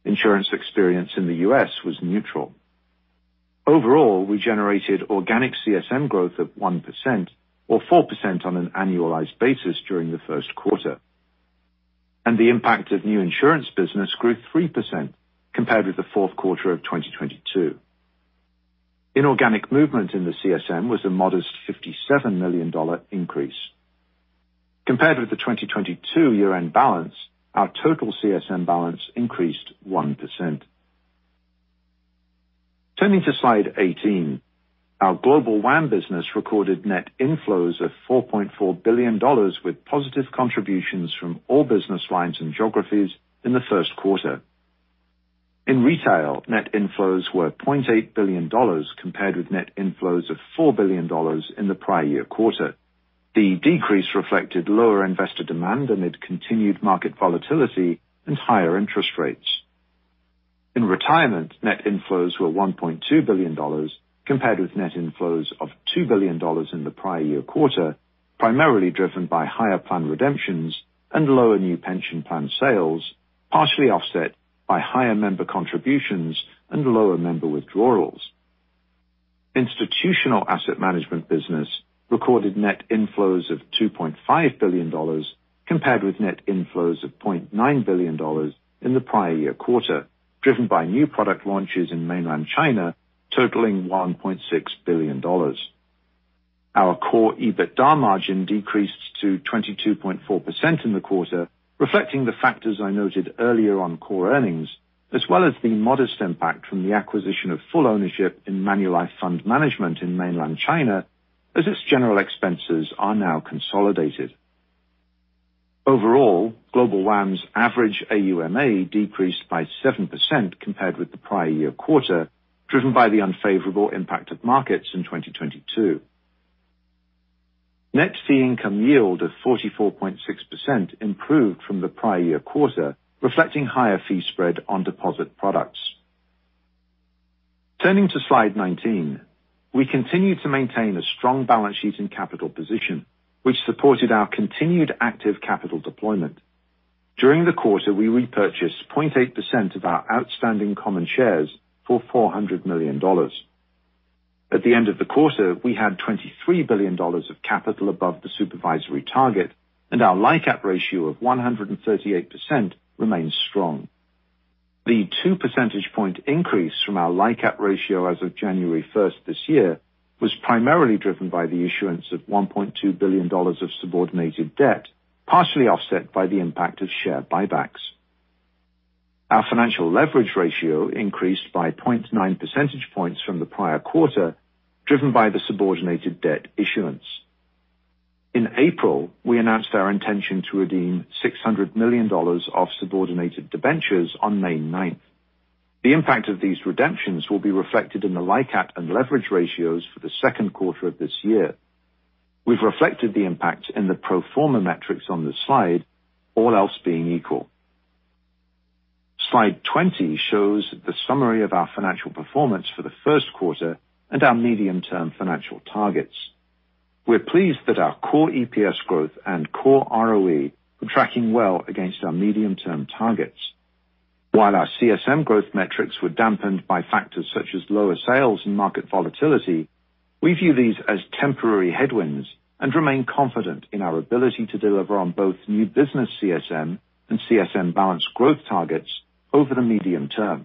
Insurance experience in the US was neutral. Overall, we generated organic CSM growth of 1% or 4% on an annualized basis during the first quarter, and the impact of new insurance business grew 3% compared with the fourth quarter of 2022. Inorganic movement in the CSM was a modest 57 million dollar increase. Compared with the 2022 year-end balance, our total CSM balance increased 1%. Turning to slide 18. Our Global WAM business recorded net inflows of 4.4 billion dollars with positive contributions from all business lines and geographies in the first quarter. In retail, net inflows were 0.8 billion dollars compared with net inflows of 4 billion dollars in the prior year quarter. The decrease reflected lower investor demand amid continued market volatility and higher interest rates. In retirement, net inflows were 1.2 billion dollars compared with net inflows of 2 billion dollars in the prior year quarter, primarily driven by higher plan redemptions and lower new pension plan sales, partially offset by higher member contributions and lower member withdrawals. Institutional asset management business recorded net inflows of 2.5 billion dollars compared with net inflows of 0.9 billion dollars in the prior year quarter, driven by new product launches in mainland China totaling 1.6 billion dollars. Our core EBITDA margin decreased to 22.4% in the quarter, reflecting the factors I noted earlier on core earnings, as well as the modest impact from the acquisition of full ownership in Manulife Fund Management in mainland China as its general expenses are now consolidated. Overall, Global WAM's average AUMA decreased by 7% compared with the prior year quarter, driven by the unfavorable impact of markets in 2022. Net fee income yield of 44.6% improved from the prior year quarter, reflecting higher fee spread on deposit products. Turning to slide 19. We continue to maintain a strong balance sheet and capital position, which supported our continued active capital deployment. During the quarter, we repurchased 0.8% of our outstanding common shares for 400 million dollars. At the end of the quarter, we had 23 billion dollars of capital above the supervisory target and our LICAT ratio of 138% remains strong. The 2 percentage point increase from our LICAT ratio as of January 1st this year was primarily driven by the issuance of 1.2 billion dollars of subordinated debt, partially offset by the impact of share buybacks. Our financial leverage ratio increased by 0.9 percentage points from the prior quarter, driven by the subordinated debt issuance. In April, we announced our intention to redeem 600 million dollars of subordinated debentures on May 9th. The impact of these redemptions will be reflected in the LICAT and leverage ratios for the second quarter of this year. We've reflected the impact in the pro forma metrics on the slide, all else being equal. Slide 20 shows the summary of our financial performance for the first quarter and our medium-term financial targets. We're pleased that our core EPS growth and core ROE are tracking well against our medium-term targets. While our CSM growth metrics were dampened by factors such as lower sales and market volatility, we view these as temporary headwinds and remain confident in our ability to deliver on both new business CSM and CSM balance growth targets over the medium term.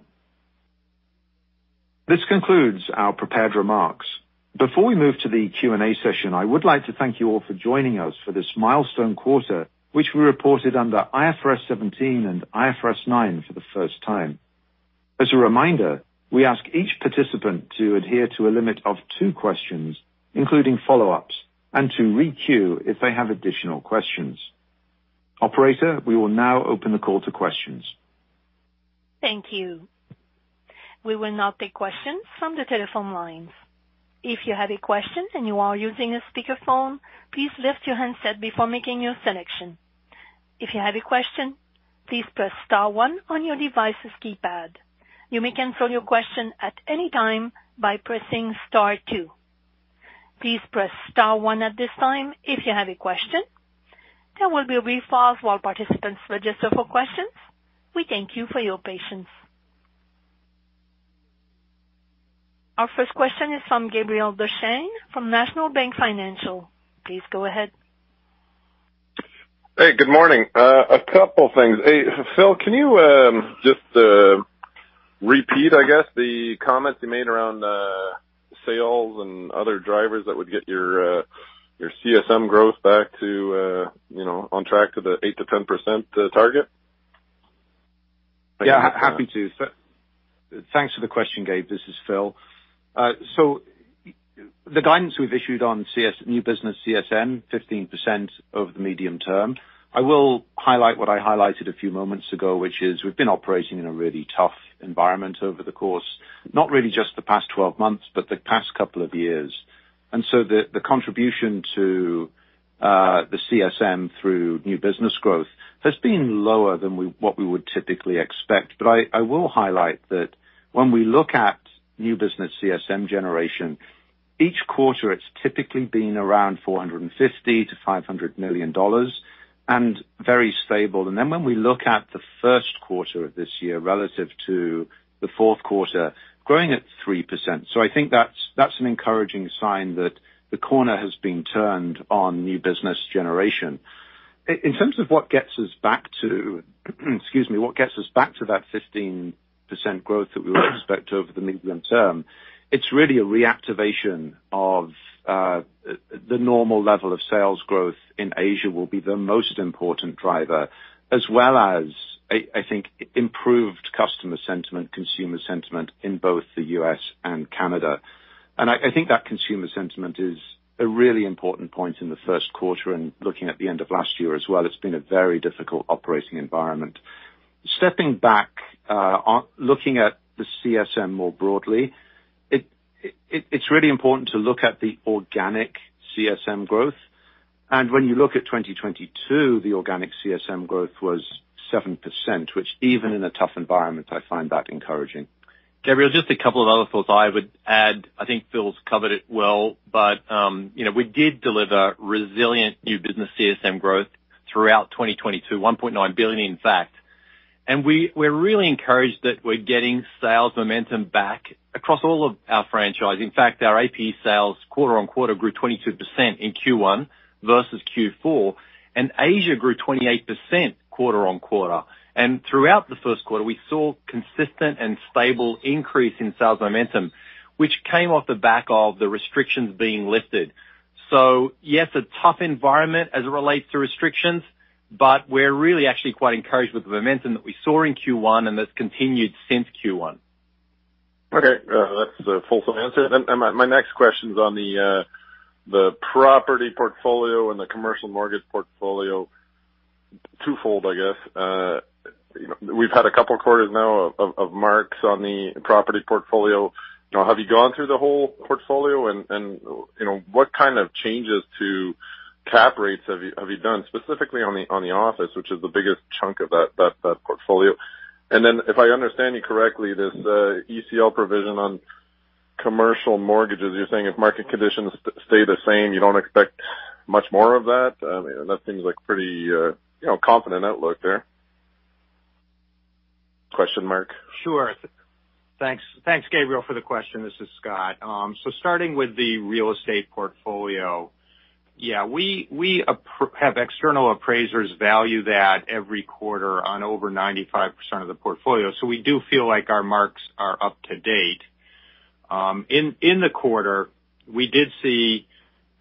This concludes our prepared remarks. Before we move to the Q&A session, I would like to thank you all for joining us for this milestone quarter, which we reported under IFRS 17 and IFRS 9 for the first time. As a reminder, we ask each participant to adhere to a limit of two questions, including follow-ups, and to re-queue if they have additional questions. Operator, we will now open the call to questions. Thank you. We will now take questions from the telephone lines. If you have a question and you are using a speakerphone, please lift your handset before making your selection. If you have a question, please press star one on your device's keypad. You may cancel your question at any time by pressing star two. Please press star one at this time if you have a question. There will be a brief pause while participants register for questions. We thank you for your patience. Our first question is from Gabriel Dechaine from National Bank Financial. Please go ahead. Hey, good morning. A couple things. Hey, Phil, can you just repeat, I guess, the comments you made around sales and other drivers that would get your CSM growth back to, you know, on track to the 8%-10% target? Yeah. happy to. Thanks for the question, Gabe. This is Phil. The guidance we've issued on new business CSM 15% over the medium term. I will highlight what I highlighted a few moments ago, which is we've been operating in a really tough environment over the course, not really just the past 12 months, but the past couple of years. The contribution to the CSM through new business growth has been lower than what we would typically expect. I will highlight that when we look at new business CSM generation, each quarter, it's typically been around 450 million-500 million dollars and very stable. When we look at the first quarter of this year relative to the fourth quarter, growing at 3%. I think that's an encouraging sign that the corner has been turned on new business generation. In terms of what gets us back to, excuse me, what gets us back to that 15% growth that we would expect over the medium term, it's really a reactivation of the normal level of sales growth in Asia will be the most important driver, as well as I think improved customer sentiment, consumer sentiment in both the U.S. and Canada. I think that consumer sentiment is a really important point in the first quarter. Looking at the end of last year as well, it's been a very difficult operating environment. Stepping back on looking at the CSM more broadly, it's really important to look at the organic CSM growth. When you look at 2022, the organic CSM growth was 7%, which even in a tough environment, I find that encouraging. Gabriel, just a couple of other thoughts I would add. I think Phil's covered it well. You know, we did deliver resilient new business CSM growth throughout 2022, 1.9 billion, in fact. We're really encouraged that we're getting sales momentum back across all of our franchise. In fact, our AP sales quarter-on-quarter grew 22% in Q1 versus Q4. Asia grew 28% quarter-on-quarter. Throughout the first quarter, we saw consistent and stable increase in sales momentum, which came off the back of the restrictions being lifted. Yes, a tough environment as it relates to restrictions, but we're really actually quite encouraged with the momentum that we saw in Q1 and that's continued since Q1. Okay. That's a full answer. My next question is on the property portfolio and the commercial mortgage portfolio. Twofold, I guess. We've had a couple of quarters now of marks on the property portfolio. Now, have you gone through the whole portfolio? You know, what kind of changes to cap rates have you done specifically on the office, which is the biggest chunk of that portfolio? If I understand you correctly, this ECL provision on commercial mortgages, you're saying if market conditions stay the same, you don't expect much more of that? That seems like pretty, you know, confident outlook there. Question, Mark. Sure. Thanks. Thanks, Gabriel, for the question. This is Scott. Starting with the real estate portfolio. Yeah, we have external appraisers value that every quarter on over 95% of the portfolio. We do feel like our marks are up to date. In the quarter, we did see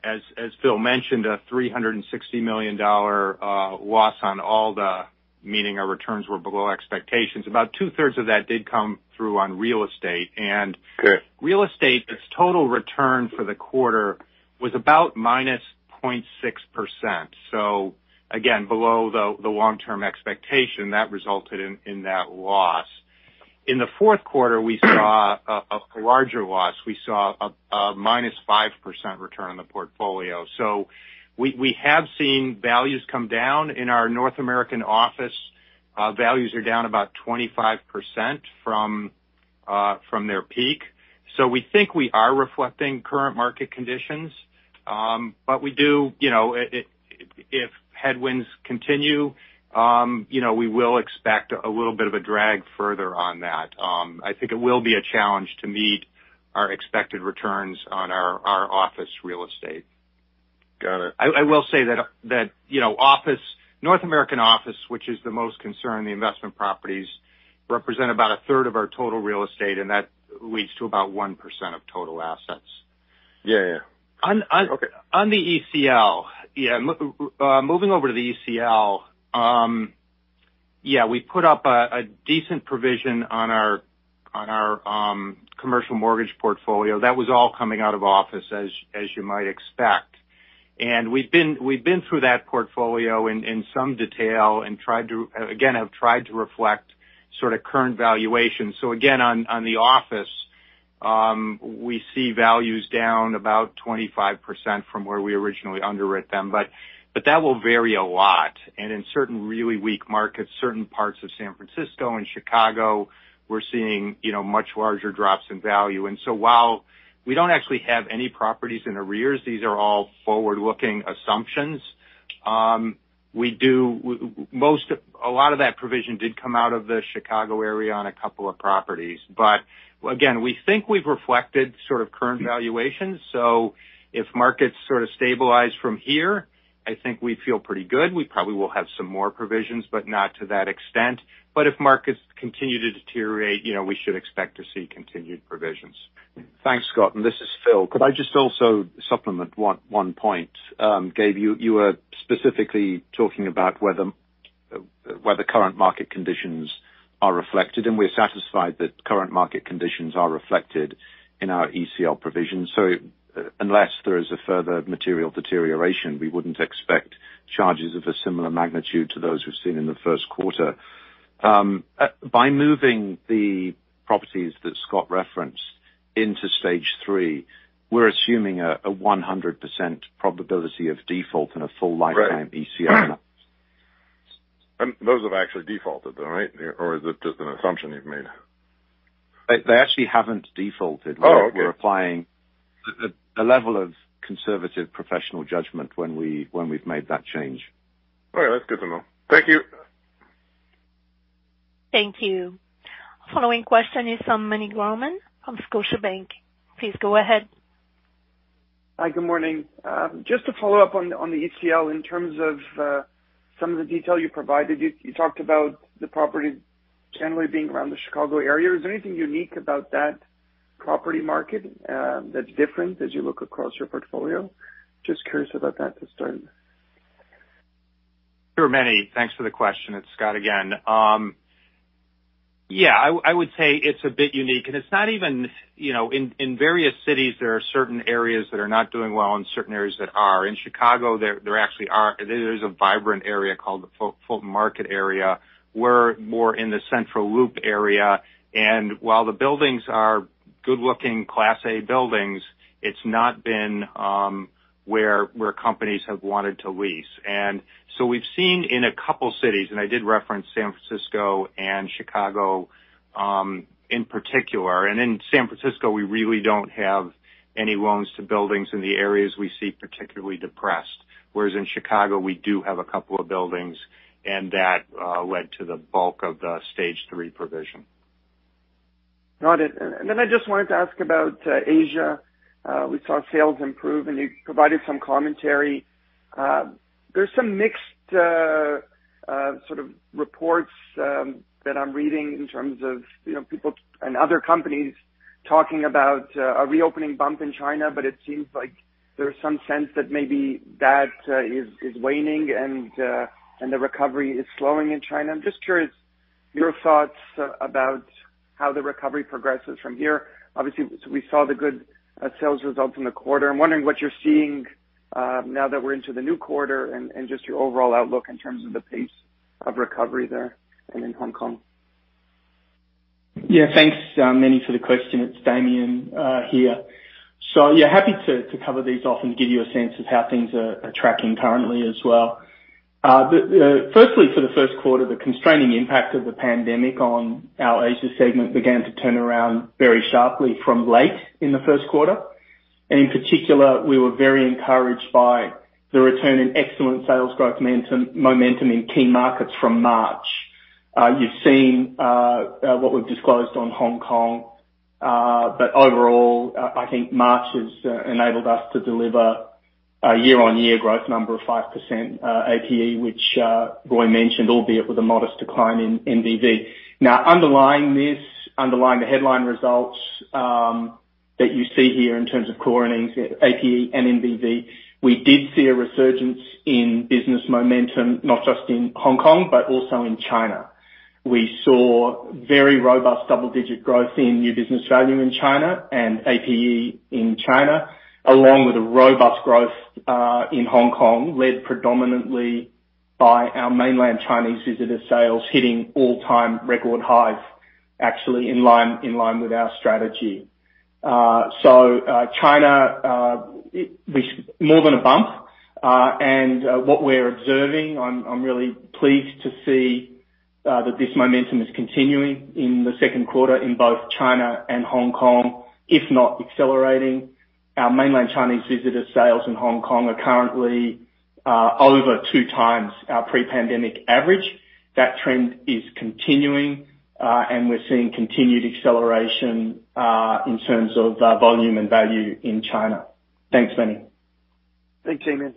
as Phil mentioned, a 360 million dollar loss on all the... Meaning our returns were below expectations. About two-thirds of that did come through on real estate. Okay. Real estate, its total return for the quarter was about -0.6%. Again, below the long-term expectation. That resulted in that loss. In the fourth quarter, we saw a larger loss. We saw a -5% return on the portfolio. We have seen values come down. In our North American office, values are down about 25% from their peak. We think we are reflecting current market conditions. You know, if headwinds continue, you know, we will expect a little bit of a drag further on that. I think it will be a challenge to meet our expected returns on our office real estate. Got it. I will say that, you know, office, North American office, which is the most concerned, the investment properties represent about a third of our total real estate. That leads to about 1% of total assets. Yeah. Yeah. Okay. On the ECL. Yeah, moving over to the ECL. Yeah, we put up a decent provision on our commercial mortgage portfolio. That was all coming out of office as you might expect. We've been through that portfolio in some detail and tried to again, have tried to reflect sort of current valuation. Again, on the office, we see values down about 25% from where we originally underwrite them. That will vary a lot. In certain really weak markets, certain parts of San Francisco and Chicago, we're seeing, you know, much larger drops in value. While we don't actually have any properties in arrears, these are all forward-looking assumptions. A lot of that provision did come out of the Chicago area on a couple of properties. Again, we think we've reflected sort of current valuations. If markets sort of stabilize from here, I think we feel pretty good. We probably will have some more provisions, but not to that extent. If markets continue to deteriorate, you know, we should expect to see continued provisions. Thanks, Scott. This is Phil. Could I just also supplement one point? Gabe, you were specifically talking about whether current market conditions are reflected, and we're satisfied that current market conditions are reflected in our ECL provisions. Unless there is a further material deterioration, we wouldn't expect charges of a similar magnitude to those we've seen in the first quarter. By moving the properties that Scott referenced into stage three, we're assuming a 100% probability of default and a full lifetime ECL. Right. Those have actually defaulted, though, right? Or is it just an assumption you've made? They actually haven't defaulted. Oh, okay. We're applying a level of conservative professional judgment when we've made that change. All right. That's good to know. Thank you. Thank you. Following question is from Meny Grauman from Scotiabank. Please go ahead. Hi, good morning. Just to follow up on the, on the ECL, in terms of, some of the detail you provided, you talked about the property generally being around the Chicago area. Is there anything unique about that property market that's different as you look across your portfolio? Just curious about that to start. Sure, Manny. Thanks for the question. It's Scott again. Yeah, I would say it's a bit unique. It's not even, you know, in various cities there are certain areas that are not doing well and certain areas that are. In Chicago, there actually are. There is a vibrant area called the Fulton Market area. We're more in the Central Loop area. While the buildings are good-looking class A buildings, it's not been where companies have wanted to lease. So we've seen in a couple cities, and I did reference San Francisco and Chicago in particular. In San Francisco, we really don't have any loans to buildings in the areas we see particularly depressed. Whereas in Chicago, we do have a couple of buildings, and that led to the bulk of the stage three provision. Noted. I just wanted to ask about Asia. We saw sales improve. You provided some commentary. There's some mixed sort of reports that I'm reading in terms of, you know, people and other companies talking about a reopening bump in China, but it seems like there's some sense that maybe that is waning. The recovery is slowing in China. I'm just curious your thoughts about how the recovery progresses from here. Obviously, we saw the good sales results in the quarter. I'm wondering what you're seeing now that we're into the new quarter. Just your overall outlook in terms of the pace of recovery there and in Hong Kong. Thanks, Meny, for the question. It's Damien here. Happy to cover these off and give you a sense of how things are tracking currently as well. Firstly, for the first quarter, the constraining impact of the pandemic on our Asia segment began to turn around very sharply from late in the first quarter. In particular, we were very encouraged by the return in excellent sales growth momentum in key markets from March. You've seen what we've disclosed on Hong Kong. Overall, I think March has enabled us to deliver a year-on-year growth number of 5% APE, which Roy mentioned, albeit with a modest decline in NBV. Underlying this, underlying the headline results that you see here in terms of core earnings, APE and NBV, we did see a resurgence in business momentum, not just in Hong Kong, but also in China. We saw very robust double-digit growth in new business value in China and APE in China, along with a robust growth in Hong Kong, led predominantly by our mainland Chinese visitor sales hitting all-time record highs, actually in line, in line with our strategy. China, more than a bump. What we're observing, I'm really pleased to see that this momentum is continuing in the second quarter in both China and Hong Kong, if not accelerating. Our mainland Chinese visitor sales in Hong Kong are currently over two times our pre-pandemic average. That trend is continuing, and we're seeing continued acceleration, in terms of, volume and value in China. Thanks, Manny. Thanks, Damien.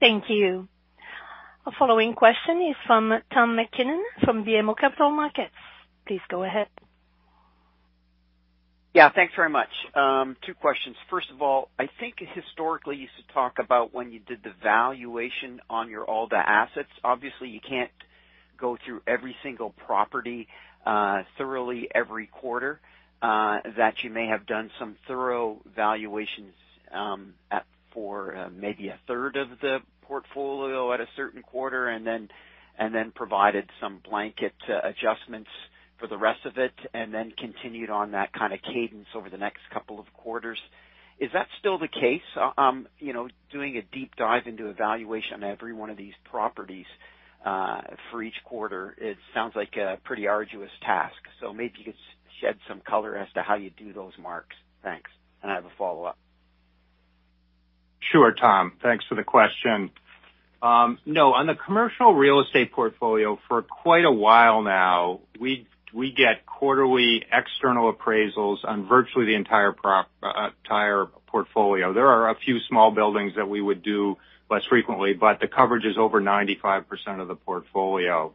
Thank you. Following question is from Tom MacKinnon from BMO Capital Markets. Please go ahead. Yeah. Thanks very much. 2 questions. First of all, I think you historically used to talk about when you did the valuation on your ALDA assets. Obviously, you can't go through every single property, thoroughly every quarter, that you may have done some thorough valuations, for maybe a third of the portfolio at a certain quarter, and then provided some blanket adjustments. For the rest of it, and then continued on that kind of cadence over the next couple of quarters. Is that still the case? You know, doing a deep dive into evaluation on every one of these properties, for each quarter, it sounds like a pretty arduous task. So maybe you could shed some color as to how you do those marks. Thanks. I have a follow-up. Sure, Tom. Thanks for the question. No, on the commercial real estate portfolio for quite a while now, we get quarterly external appraisals on virtually the entire portfolio. There are a few small buildings that we would do less frequently, but the coverage is over 95% of the portfolio.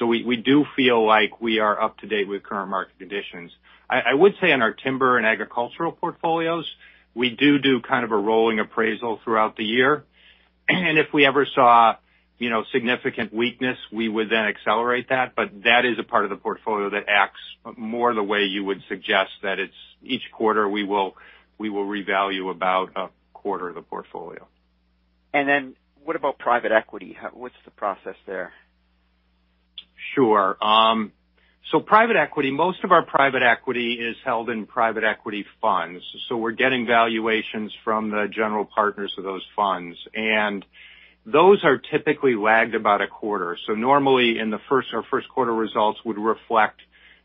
We do feel like we are up to date with current market conditions. I would say in our timber and agricultural portfolios, we do kind of a rolling appraisal throughout the year. If we ever saw, you know, significant weakness, we would then accelerate that. That is a part of the portfolio that acts more the way you would suggest that it's each quarter we will revalue about a quarter of the portfolio. What about private equity? What's the process there? Sure. Private equity, most of our private equity is held in private equity funds. We're getting valuations from the general partners of those funds. Those are typically lagged about a quarter. Normally in the first or first quarter results would reflect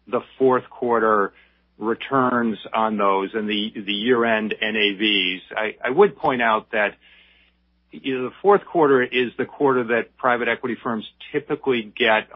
the fourth quarter returns on those and the year-end NAVs. I would point out that the fourth quarter is the quarter that private equity firms typically get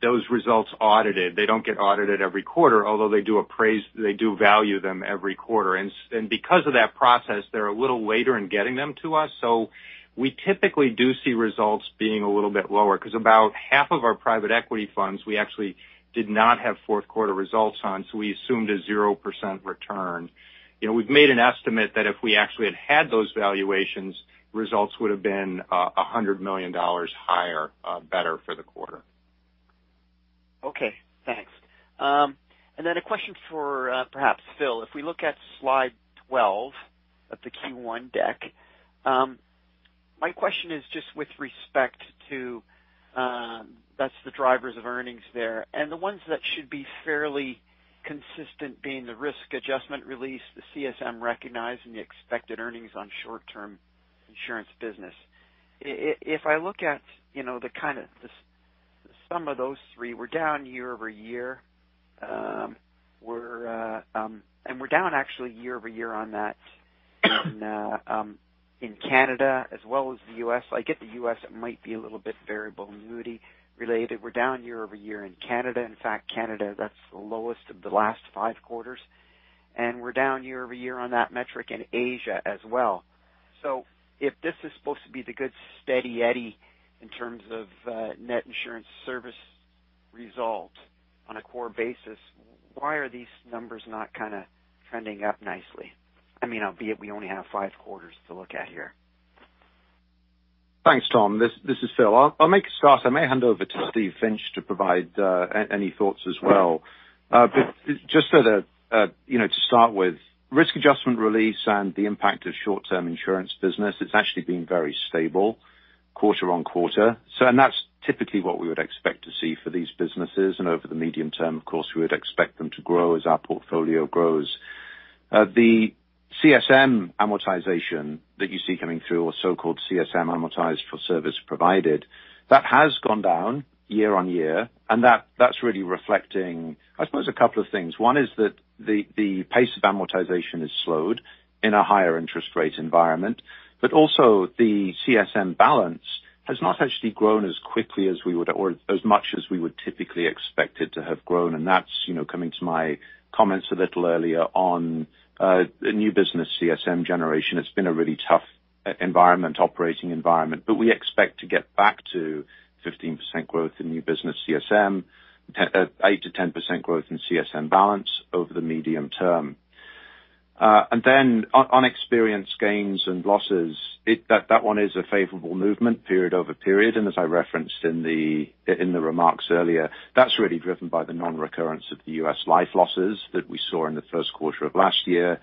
those results audited. They don't get audited every quarter, although they do value them every quarter. Because of that process, they're a little later in getting them to us, so we typically do see results being a little bit lower because about half of our private equity funds, we actually did not have fourth quarter results on, so we assumed a 0% return. You know, we've made an estimate that if we actually had had those valuations, results would have been 100 million dollars higher, better for the quarter. Okay, thanks. Then a question for perhaps Phil. If we look at slide 12 of the Q1 deck, my question is just with respect to that's the drivers of earnings there, and the ones that should be fairly consistent being the risk adjustment release, the CSM recognize, and the expected earnings on short-term insurance business. If I look at, you know, the kind of the sum of those three, we're down year-over-year. We're down actually year-over-year on that in Canada as well as the US. I get the US, it might be a little bit variable and moody-related. We're down year-over-year in Canada. In fact, Canada, that's the lowest of the last 5 quarters. We're down year-over-year on that metric in Asia as well. If this is supposed to be the good Steady Eddie in terms of net insurance service result on a core basis, why are these numbers not kind of trending up nicely? I mean, albeit we only have five quarters to look at here. Thanks, Tom. This is Phil. I'll make a start. I may hand over to Steve Finch to provide any thoughts as well. But just so that, you know, to start with, risk adjustment release and the impact of short-term insurance business, it's actually been very stable quarter-on-quarter. That's typically what we would expect to see for these businesses. Over the medium term, of course, we would expect them to grow as our portfolio grows. The CSM amortization that you see coming through or so-called CSM amortized for service provided, that has gone down year-on-year, and that's really reflecting, I suppose, a couple of things. One is that the pace of amortization is slowed in a higher interest rate environment, but also the CSM balance has not actually grown as quickly as we would or as much as we would typically expect it to have grown. That's, you know, coming to my comments a little earlier on the new business CSM generation. It's been a really tough operating environment, but we expect to get back to 15% growth in new business CSM, 8-10% growth in CSM balance over the medium term. And then on experience gains and losses, that one is a favorable movement period over period. As I referenced in the, in the remarks earlier, that's really driven by the nonrecurrence of the US life losses that we saw in the first quarter of last year.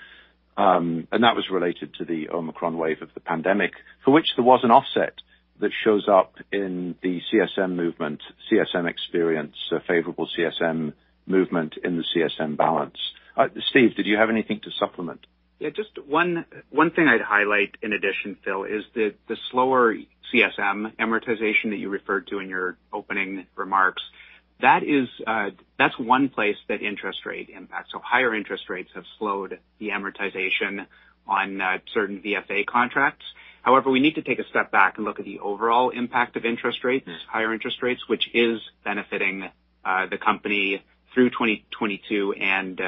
That was related to the Omicron wave of the pandemic, for which there was an offset that shows up in the CSM movement, CSM experience, a favorable CSM movement in the CSM balance. Steve, did you have anything to supplement? Yeah, just one thing I'd highlight in addition, Phil, is the slower CSM amortization that you referred to in your opening remarks. That is, that's one place that interest rate impacts. Higher interest rates have slowed the amortization on certain VFA contracts. However, we need to take a step back and look at the overall impact of interest rates... Mm. higher interest rates, which is benefiting the company through 2022 and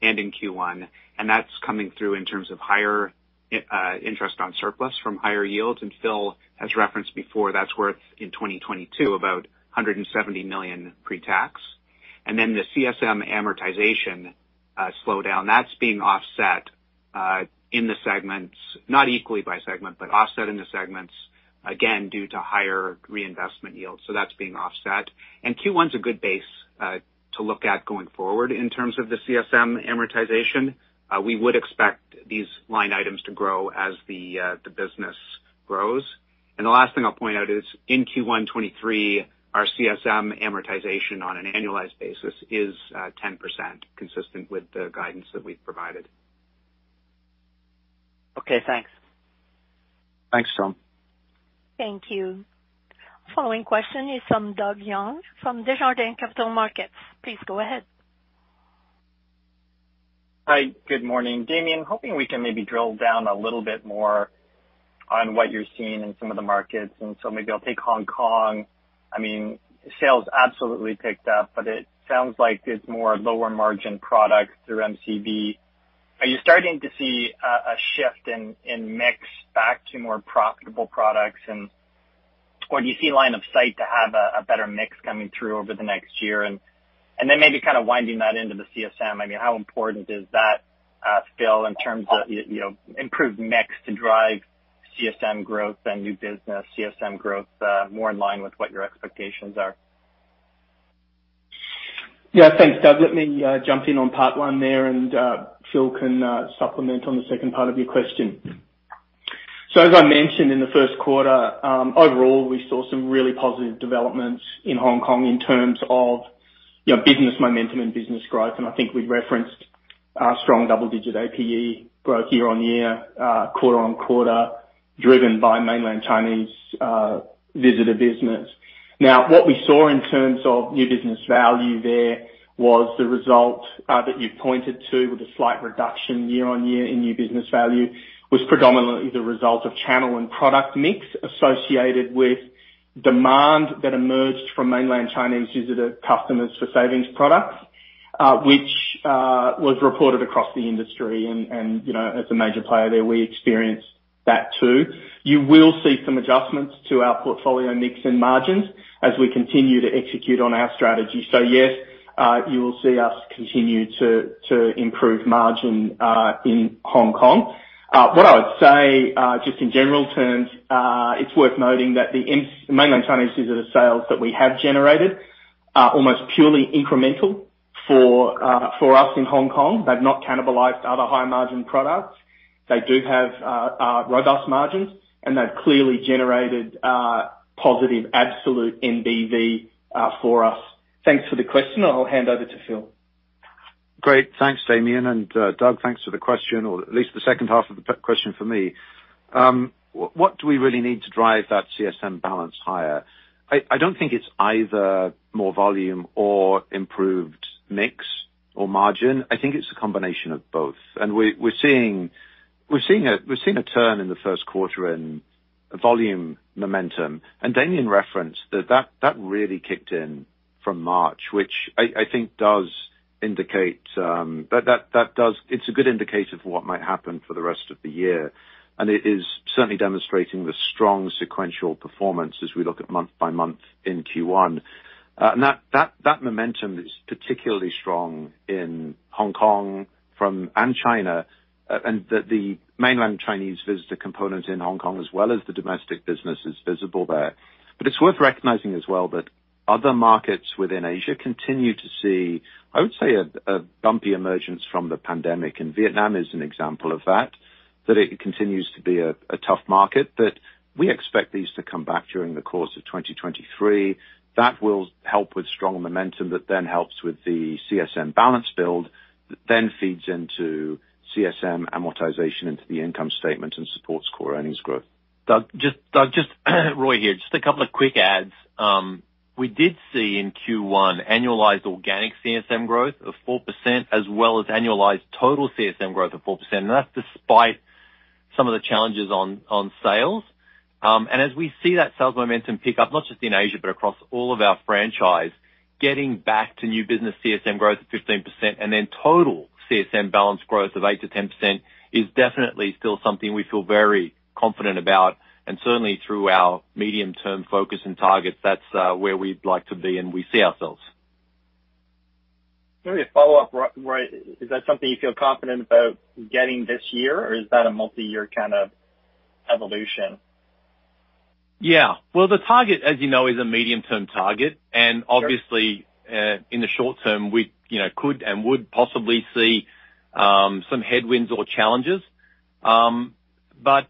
in Q1, and that's coming through in terms of higher interest on surplus from higher yields. Phil has referenced before, that's worth in 2022, about 170 million pre-tax. The CSM amortization slowdown, that's being offset in the segments, not equally by segment, but offset in the segments, again, due to higher reinvestment yields. That's being offset. Q1 is a good base. To look at going forward in terms of the CSM amortization, we would expect these line items to grow as the business grows. The last thing I'll point out is in Q1 2023, our CSM amortization on an annualized basis is 10%, consistent with the guidance that we've provided. Okay, thanks. Thanks, Tom. Thank you. Following question is from Doug Young from Desjardins Capital Markets. Please go ahead. Hi, good morning. Damien, hoping we can maybe drill down a little bit more on what you're seeing in some of the markets. Maybe I'll take Hong Kong. I mean sales absolutely picked up, but it sounds like it's more lower margin products through MCV. Are you starting to see a shift in mix back to more profitable products? Do you see line of sight to have a better mix coming through over the next year? Maybe kind of winding that into the CSM, I mean, how important is that Phil, in terms of you know, improved mix to drive CSM growth and new business CSM growth, more in line with what your expectations are? Yeah, thanks, Doug. Let me jump in on part one there, and Phil can supplement on the second part of your question. As I mentioned in the first quarter, overall, we saw some really positive developments in Hong Kong in terms of, you know, business momentum and business growth. I think we referenced strong double-digit APE growth year-on-year, quarter-on-quarter, driven by mainland Chinese visitor business. What we saw in terms of new business value there was the result that you pointed to with a slight reduction year-on-year in new business value, was predominantly the result of channel and product mix associated with demand that emerged from mainland Chinese visitor customers for savings products, which was reported across the industry. You know, as a major player there, we experienced that too. You will see some adjustments to our portfolio mix and margins as we continue to execute on our strategy. Yes, you will see us continue to improve margin in Hong Kong. What I would say, just in general terms, it's worth noting that the mainland Chinese visitor sales that we have generated are almost purely incremental for us in Hong Kong. They've not cannibalized other high margin products. They do have robust margins, and they've clearly generated positive absolute NBV for us. Thanks for the question. I'll hand over to Phil. Great. Thanks, Damien. Doug, thanks for the question or at least the second half of the question for me. What do we really need to drive that CSM balance higher? I don't think it's either more volume or improved mix or margin. I think it's a combination of both. We're seeing a turn in the 1st quarter in volume momentum. Damien referenced that really kicked in from March, which I think does indicate. It's a good indicator for what might happen for the rest of the year. That is certainly demonstrating the strong sequential performance as we look at month by month in Q1. That momentum is particularly strong in Hong Kong from... and the mainland Chinese visitor component in Hong Kong as well as the domestic business is visible there. It's worth recognizing as well that other markets within Asia continue to see, I would say, a bumpy emergence from the pandemic, and Vietnam is an example of that. That it continues to be a tough market. We expect these to come back during the course of 2023. That will help with strong momentum. That then helps with the CSM balance build that then feeds into CSM amortization into the income statement and supports core earnings growth. Doug, just Roy here. Just a couple of quick adds. We did see in Q1 annualized organic CSM growth of 4% as well as annualized total CSM growth of 4%. That's despite some of the challenges on sales. As we see that sales momentum pick up, not just in Asia but across all of our franchise, getting back to new business CSM growth of 15% and then total CSM balance growth of 8%-10% is definitely still something we feel very confident about. Certainly through our medium-term focus and targets, that's where we'd like to be, and we see ourselves. Maybe a follow-up, Roy. Is that something you feel confident about getting this year, or is that a multi-year kind of evolution? Well, the target, as you know, is a medium-term target. Sure. Obviously, in the short term, we, you know, could and would possibly see some headwinds or challenges.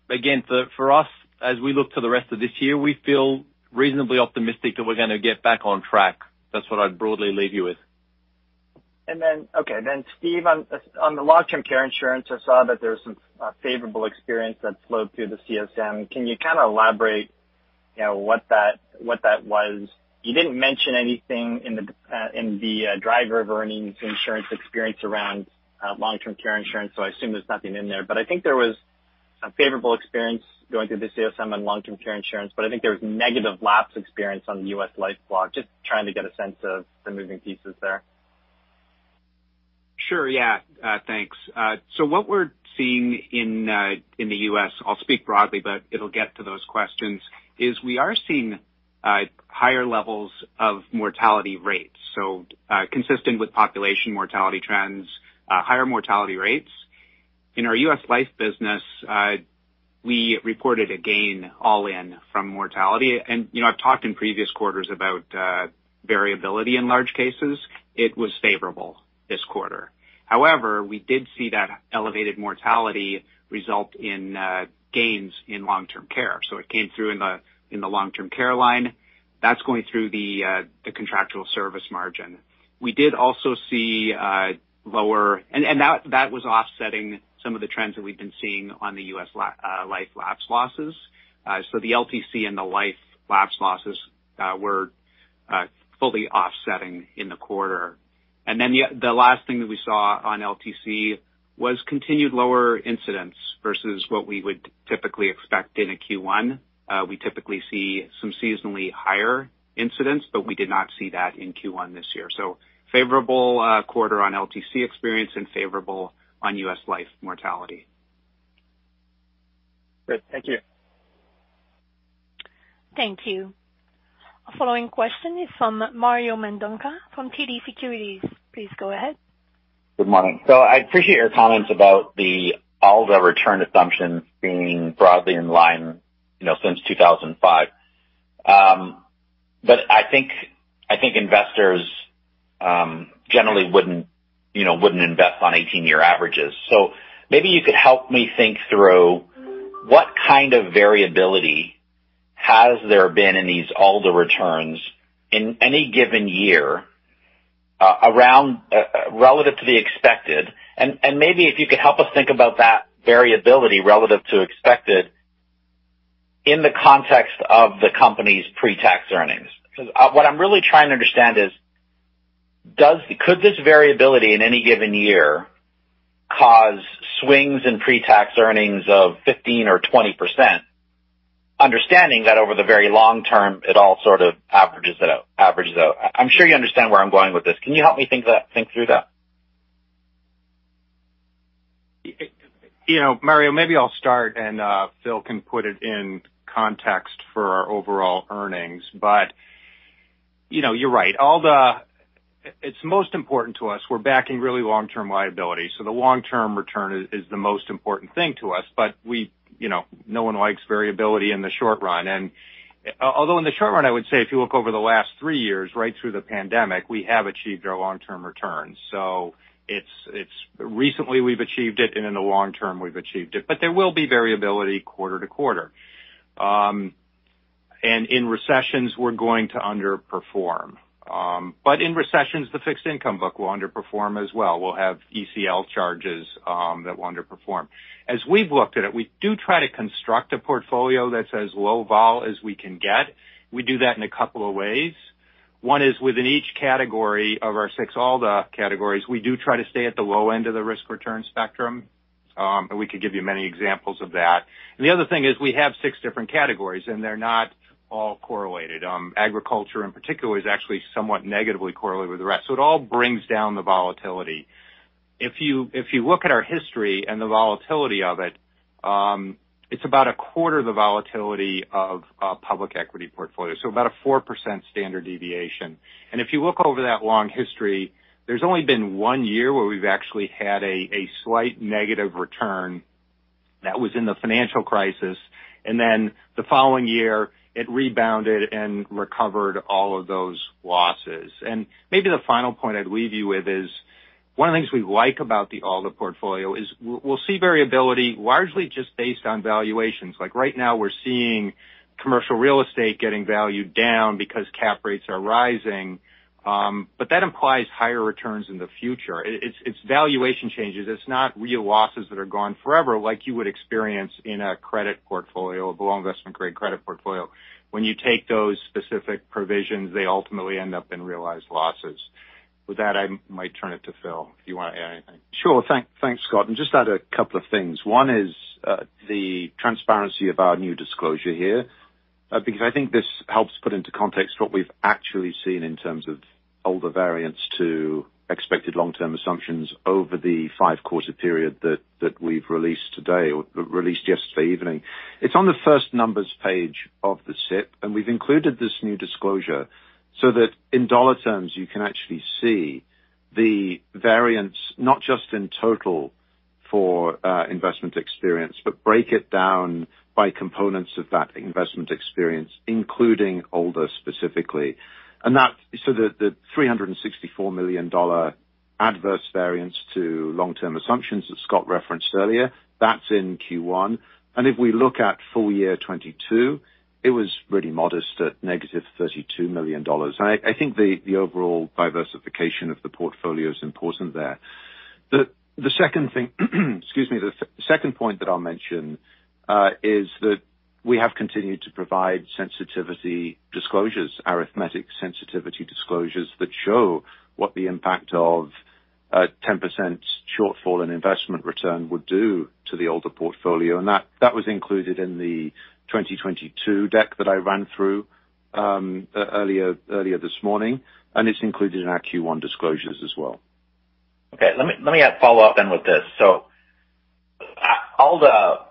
Again, for us, as we look to the rest of this year, we feel reasonably optimistic that we're gonna get back on track. That's what I'd broadly leave you with. Okay. Steve, on the long-term care insurance, I saw that there was some favorable experience that flowed through the CSM. Can you kinda elaborate, you know, what that was? You didn't mention anything in the driver of earnings insurance experience around long-term care insurance, so I assume there's nothing in there. I think there was a favorable experience going through the CSM on long-term care insurance, but I think there was negative lapse experience on the US life blog. Just trying to get a sense of the moving pieces there. Sure. Yeah. Thanks. What we're seeing in the U.S., I'll speak broadly, but it'll get to those questions, is we are seeing, higher levels of mortality rates. Consistent with population mortality trends, higher mortality rates. In our US life business, we reported a gain all in from mortality. You know, I've talked in previous quarters about variability in large cases. It was favorable this quarter. However, we did see that elevated mortality result in gains in long-term care. It came through in the, in the long-term care line that's going through the contractual service margin. We did also see lower. That was offsetting some of the trends that we've been seeing on the US life lapse losses. So the LTC and the life lapse losses were fully offsetting in the quarter. Then the last thing that we saw on LTC was continued lower incidents versus what we would typically expect in a Q1. We typically see some seasonally higher incidents, but we did not see that in Q1 this year. Favorable quarter on LTC experience and favorable on U.S. life mortality. Great. Thank you. Thank you. Following question is from Mario Mendonca from TD Securities. Please go ahead. Good morning. I appreciate your comments about the ALDA return assumptions being broadly in line, you know, since 2005. I think investors generally wouldn't, you know, wouldn't invest on 18-year averages. Maybe you could help me think through what kind of variability has there been in these ALDA returns in any given year, around relative to the expected, and maybe if you could help us think about that variability relative to expected in the context of the company's pre-tax earnings. What I'm really trying to understand is could this variability in any given year cause swings in pre-tax earnings of 15% or 20%, understanding that over the very long term, it all sort of averages it out. I'm sure you understand where I'm going with this. Can you help me think that, think through that? You know, Mario, maybe I'll start and Phil can put it in context for our overall earnings. You know, you're right. ALDA, it's most important to us. We're backing really long-term liability, the long-term return is the most important thing to us. We, you know, no one likes variability in the short run. Although in the short run, I would say if you look over the last three years, right through the pandemic, we have achieved our long-term returns. It's recently we've achieved it, and in the long term we've achieved it. There will be variability quarter to quarter. In recessions, we're going to underperform. In recessions, the fixed income book will underperform as well. We'll have ECL charges that will underperform. As we've looked at it, we do try to construct a portfolio that's as low vol as we can get. We do that in a couple of ways. One is within each category of our 6 ALDA categories, we do try to stay at the low end of the risk-return spectrum. We could give you many examples of that. The other thing is we have 6 different categories, and they're not all correlated. Agriculture in particular is actually somewhat negatively correlated with the rest. It all brings down the volatility. If you, if you look at our history and the volatility of it's about a quarter of the volatility of public equity portfolio, so about a 4% standard deviation. If you look over that long history, there's only been 1 year where we've actually had a slight negative return. That was in the financial crisis, then the following year it rebounded and recovered all of those losses. Maybe the final point I'd leave you with is one of the things we like about the ALDA portfolio is we'll see variability largely just based on valuations. Like, right now we're seeing commercial real estate getting valued down because cap rates are rising, but that implies higher returns in the future. It's valuation changes. It's not real losses that are gone forever like you would experience in a credit portfolio, a below investment-grade credit portfolio. When you take those specific provisions, they ultimately end up in realized losses. With that, I might turn it to Phil, if you wanna add anything. Sure. Thanks, Scott. Just add a couple of things. One is the transparency of our new disclosure here, because I think this helps put into context what we've actually seen in terms of ALDA variance to expected long-term assumptions over the five-quarter period that we've released today or released yesterday evening. It's on the first numbers page of the SIP, and we've included this new disclosure so that in dollar terms, you can actually see the variance not just in total for investment experience, but break it down by components of that investment experience, including ALDA specifically. So the 364 million dollar adverse variance to long-term assumptions that Scott referenced earlier, that's in Q1. If we look at full year 2022, it was really modest at negative 32 million dollars. I think the overall diversification of the portfolio is important there. The second thing, excuse me, the second point that I'll mention, is that we have continued to provide sensitivity disclosures, arithmetic sensitivity disclosures that show what the impact of a 10% shortfall in investment return would do to the ALDA portfolio. That was included in the 2022 deck that I ran through, earlier this morning, and it's included in our Q1 disclosures as well. Okay. Let me follow up then with this. ALDA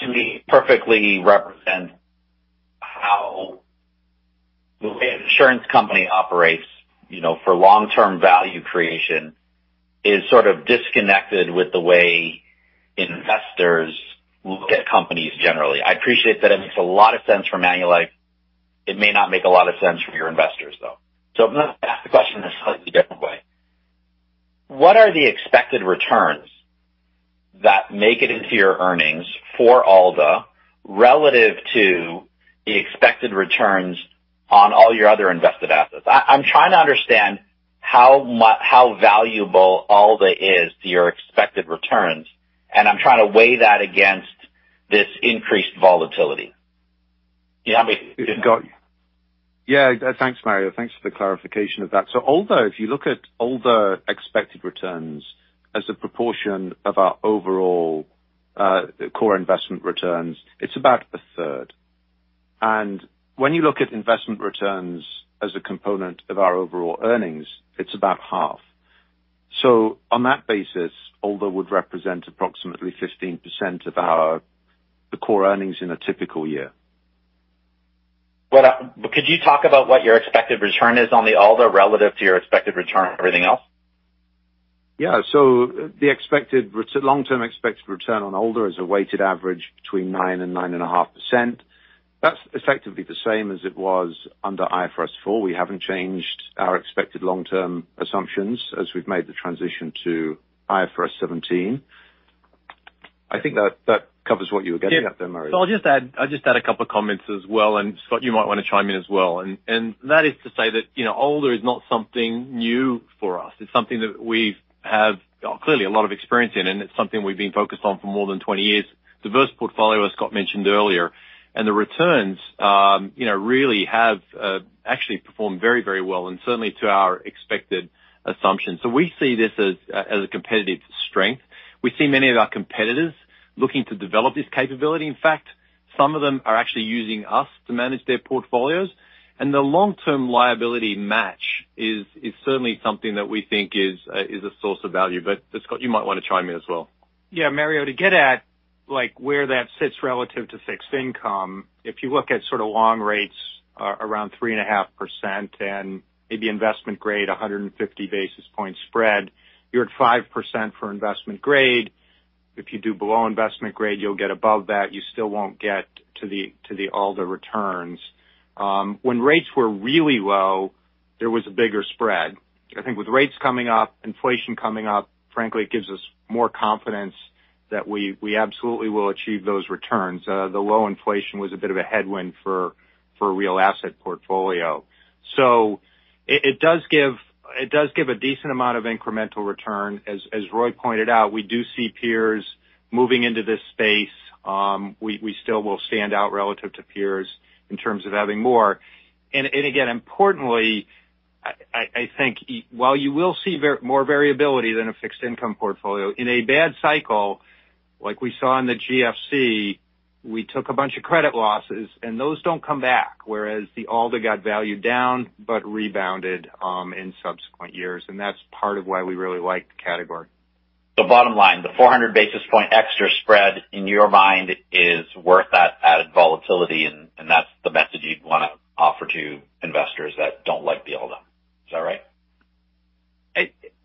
to me perfectly represents-insurance company operates, you know, for long-term value creation is sort of disconnected with the way investors look at companies generally. I appreciate that it makes a lot of sense for Manulife. It may not make a lot of sense for your investors, though. I'm gonna ask the question a slightly different way. What are the expected returns that make it into your earnings for ALDA relative to the expected returns on all your other invested assets? I'm trying to understand how valuable ALDA is to your expected returns, and I'm trying to weigh that against this increased volatility. You know what I mean? Got you. Yeah. Thanks, Mario. Thanks for the clarification of that. ALDA, if you look at ALDA expected returns as a proportion of our overall core investment returns, it's about a third. When you look at investment returns as a component of our overall earnings, it's about half. On that basis, ALDA would represent approximately 15% of our, the core earnings in a typical year. Could you talk about what your expected return is on the ALDA relative to your expected return on everything else? The expected long term expected return on ALDA is a weighted average between 9 and 9.5%. That's effectively the same as it was under IFRS 4. We haven't changed our expected long term assumptions as we've made the transition to IFRS 17. I think that covers what you were getting at there, Mario. I'll just add a couple of comments as well, and Scott, you might wanna chime in as well. That is to say that, you know, ALDA is not something new for us. It's something that we have clearly a lot of experience in, and it's something we've been focused on for more than 20 years. Diverse portfolio, as Scott mentioned earlier, and the returns, you know, really have actually performed very, very well and certainly to our expected assumptions. We see this as a competitive strength. We see many of our competitors looking to develop this capability. In fact, some of them are actually using us to manage their portfolios. The long term liability match is certainly something that we think is a source of value. Scott, you might wanna chime in as well. Mario, to get at, like, where that sits relative to fixed income, if you look at sort of long rates, around 3.5% and maybe investment grade 150 basis points spread, you're at 5% for investment grade. If you do below investment grade, you'll get above that. You still won't get to the ALDA returns. When rates were really low, there was a bigger spread. I think with rates coming up, inflation coming up, frankly, it gives us more confidence that we absolutely will achieve those returns. The low inflation was a bit of a headwind for real asset portfolio. It does give a decent amount of incremental return. As Roy pointed out, we do see peers moving into this space. We still will stand out relative to peers in terms of having more. Again, importantly, I think while you will see more variability than a fixed income portfolio, in a bad cycle, like we saw in the GFC, we took a bunch of credit losses and those don't come back. Whereas the ALDA got valued down but rebounded in subsequent years. That's part of why we really like the category. bottom line, the 400 basis point extra spread in your mind is worth that added volatility, and that's the message you'd wanna offer to investors that don't like the ALDA. Is that right?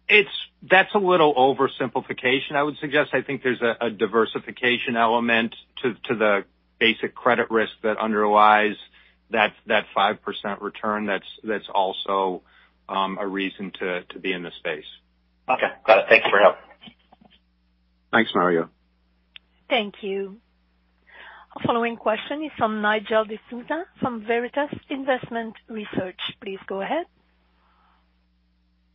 It's. That's a little oversimplification, I would suggest. I think there's a diversification element to the basic credit risk that underlies that 5% return that's also a reason to be in the space. Okay. Got it. Thank you for your help. Thanks, Mario. Thank you. Following question is from Nigel D'Souza from Veritas Investment Research. Please go ahead.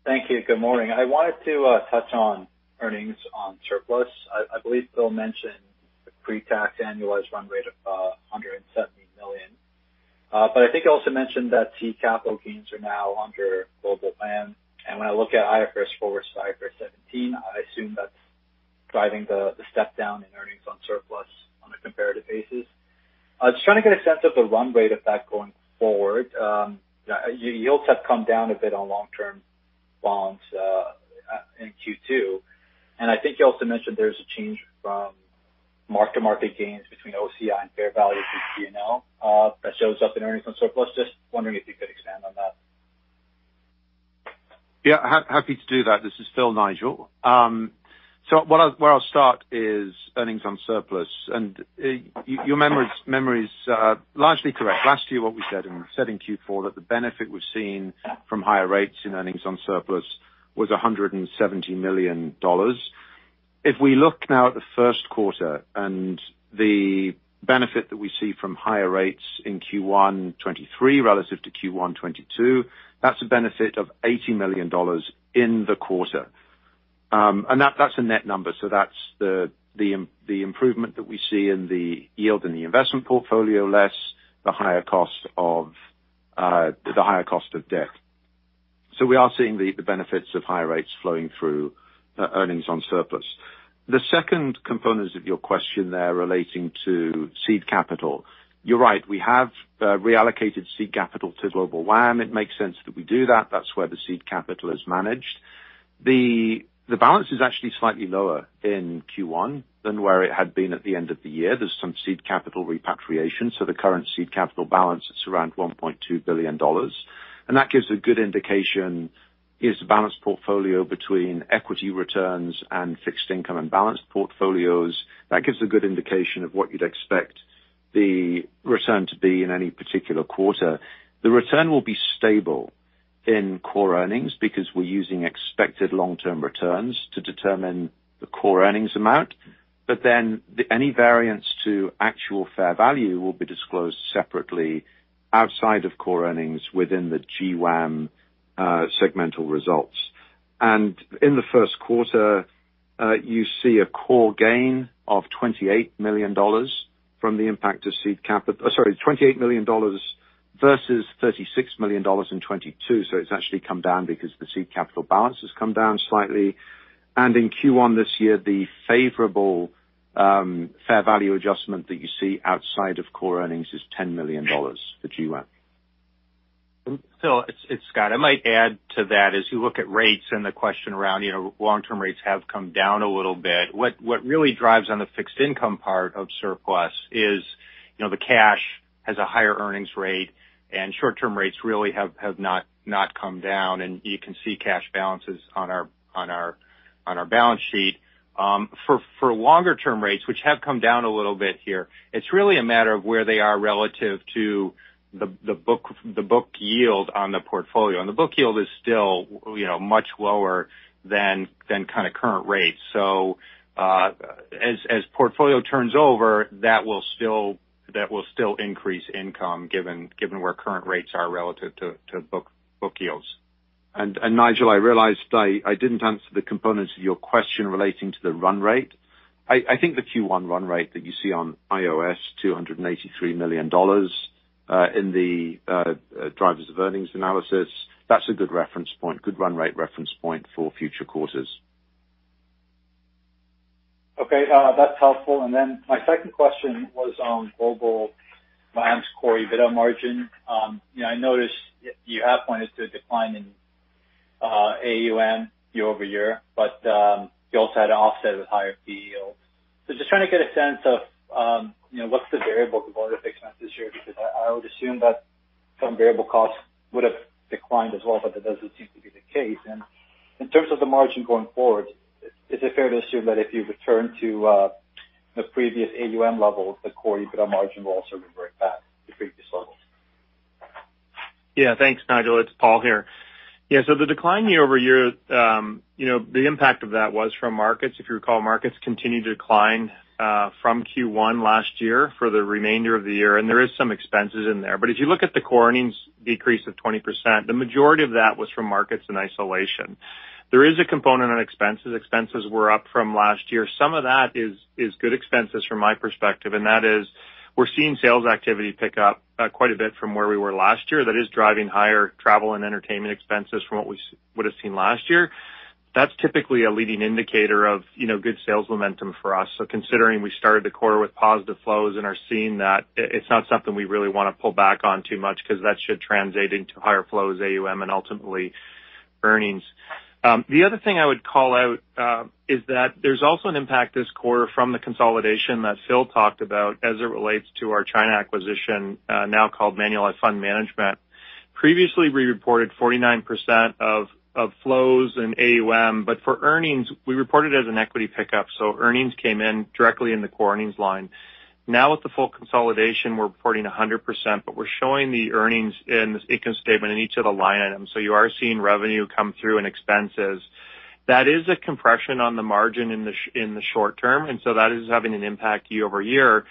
Thank you. Good morning. I wanted to touch on earnings on surplus. I believe Phil mentioned the pre-tax annualized run rate of $170 million. I think he also mentioned that seed capital gains are now under Global WAM. When I look at IFRS 4 versus IFRS 17, I assume that's driving the step down in earnings on surplus on a comparative basis. I was trying to get a sense of the run rate of that going forward. Yields have come down a bit on long term bonds in Q2. I think you also mentioned there's a change from mark-to-market gains between OCI and fair value between P&L that shows up in earnings on surplus. Just wondering if you could expand on that. Yeah. Happy to do that. This is Phil, Nigel. Where I'll start is earnings on surplus, and your memory is largely correct. Last year what we said, and we said in Q4, that the benefit we've seen from higher rates in earnings on surplus was 170 million dollars. If we look now at the first quarter and the benefit that we see from higher rates in Q1 '23 relative to Q1 '22, that's a benefit of 80 million dollars in the quarter. That's a net number. That's the improvement that we see in the yield in the investment portfolio, less the higher cost of the higher cost of debt. We are seeing the benefits of higher rates flowing through earnings on surplus. The second component of your question there relating to seed capital, you're right, we have reallocated seed capital to Global WAM. It makes sense that we do that. That's where the seed capital is managed. The balance is actually slightly lower in Q1 than where it had been at the end of the year. There's some seed capital repatriation. The current seed capital balance is around 1.2 billion dollars. That gives a good indication is the balance portfolio between equity returns and fixed income and balanced portfolios. That gives a good indication of what you'd expect the return to be in any particular quarter. The return will be stable in core earnings because we're using expected long-term returns to determine the core earnings amount. Any variance to actual fair value will be disclosed separately outside of core earnings within the GWAM segmental results. In the first quarter, you see a core gain of 28 million dollars from the impact of seed capital versus 36 million dollars in 2022. It's actually come down because the seed capital balance has come down slightly. In Q1 this year, the favorable fair value adjustment that you see outside of core earnings is 10 million dollars for GWAM. Phil, it's Scott. I might add to that as you look at rates and the question around, you know, long-term rates have come down a little bit. What really drives on the fixed income part of surplus is, you know, the cash has a higher earnings rate and short-term rates really have not come down. You can see cash balances on our balance sheet. for longer term rates, which have come down a little bit here, it's really a matter of where they are relative to the book yield on the portfolio. The book yield is still, you know, much lower than kind of current rates. as portfolio turns over, that will still increase income given where current rates are relative to book yields. Nigel, I realized I didn't answer the components of your question relating to the run rate. I think the Q1 run rate that you see on EoS, 283 million dollars, in the drivers of earnings analysis, that's a good reference point, good run rate reference point for future quarters. Okay, that's helpful. My second question was on Global WAM core EBITDA margin. You know, I noticed you have pointed to a decline in AUM year-over-year, but you also had to offset with higher fee yields. Just trying to get a sense of, you know, what's the variable component of expenses here, because I would assume that some variable costs would have declined as well, but that doesn't seem to be the case. In terms of the margin going forward, is it fair to assume that if you return to the previous AUM level, the core EBITDA margin will also revert back to previous levels? Thanks, Nigel. It's Paul here. The decline year-over-year, you know, the impact of that was from markets. If you recall, markets continued to decline from Q1 last year for the remainder of the year. There is some expenses in there. If you look at the core earnings decrease of 20%, the majority of that was from markets in isolation. There is a component on expenses. Expenses were up from last year. Some of that is good expenses from my perspective, and that is we're seeing sales activity pick up quite a bit from where we were last year. That is driving higher travel and entertainment expenses from what we would have seen last year. That's typically a leading indicator of, you know, good sales momentum for us. Considering we started the quarter with positive flows and are seeing that it's not something we really wanna pull back on too much because that should translate into higher flows, AUM and ultimately earnings. The other thing I would call out is that there's also an impact this quarter from the consolidation that Phil talked about as it relates to our China acquisition, now called Manulife Fund Management. Previously, we reported 49% of flows in AUM, but for earnings, we reported as an equity pickup, so earnings came in directly in the core earnings line. Now with the full consolidation, we're reporting 100%, but we're showing the earnings in the income statement in each of the line items. You are seeing revenue come through in expenses. That is a compression on the margin in the short term. That is having an impact year-over-year.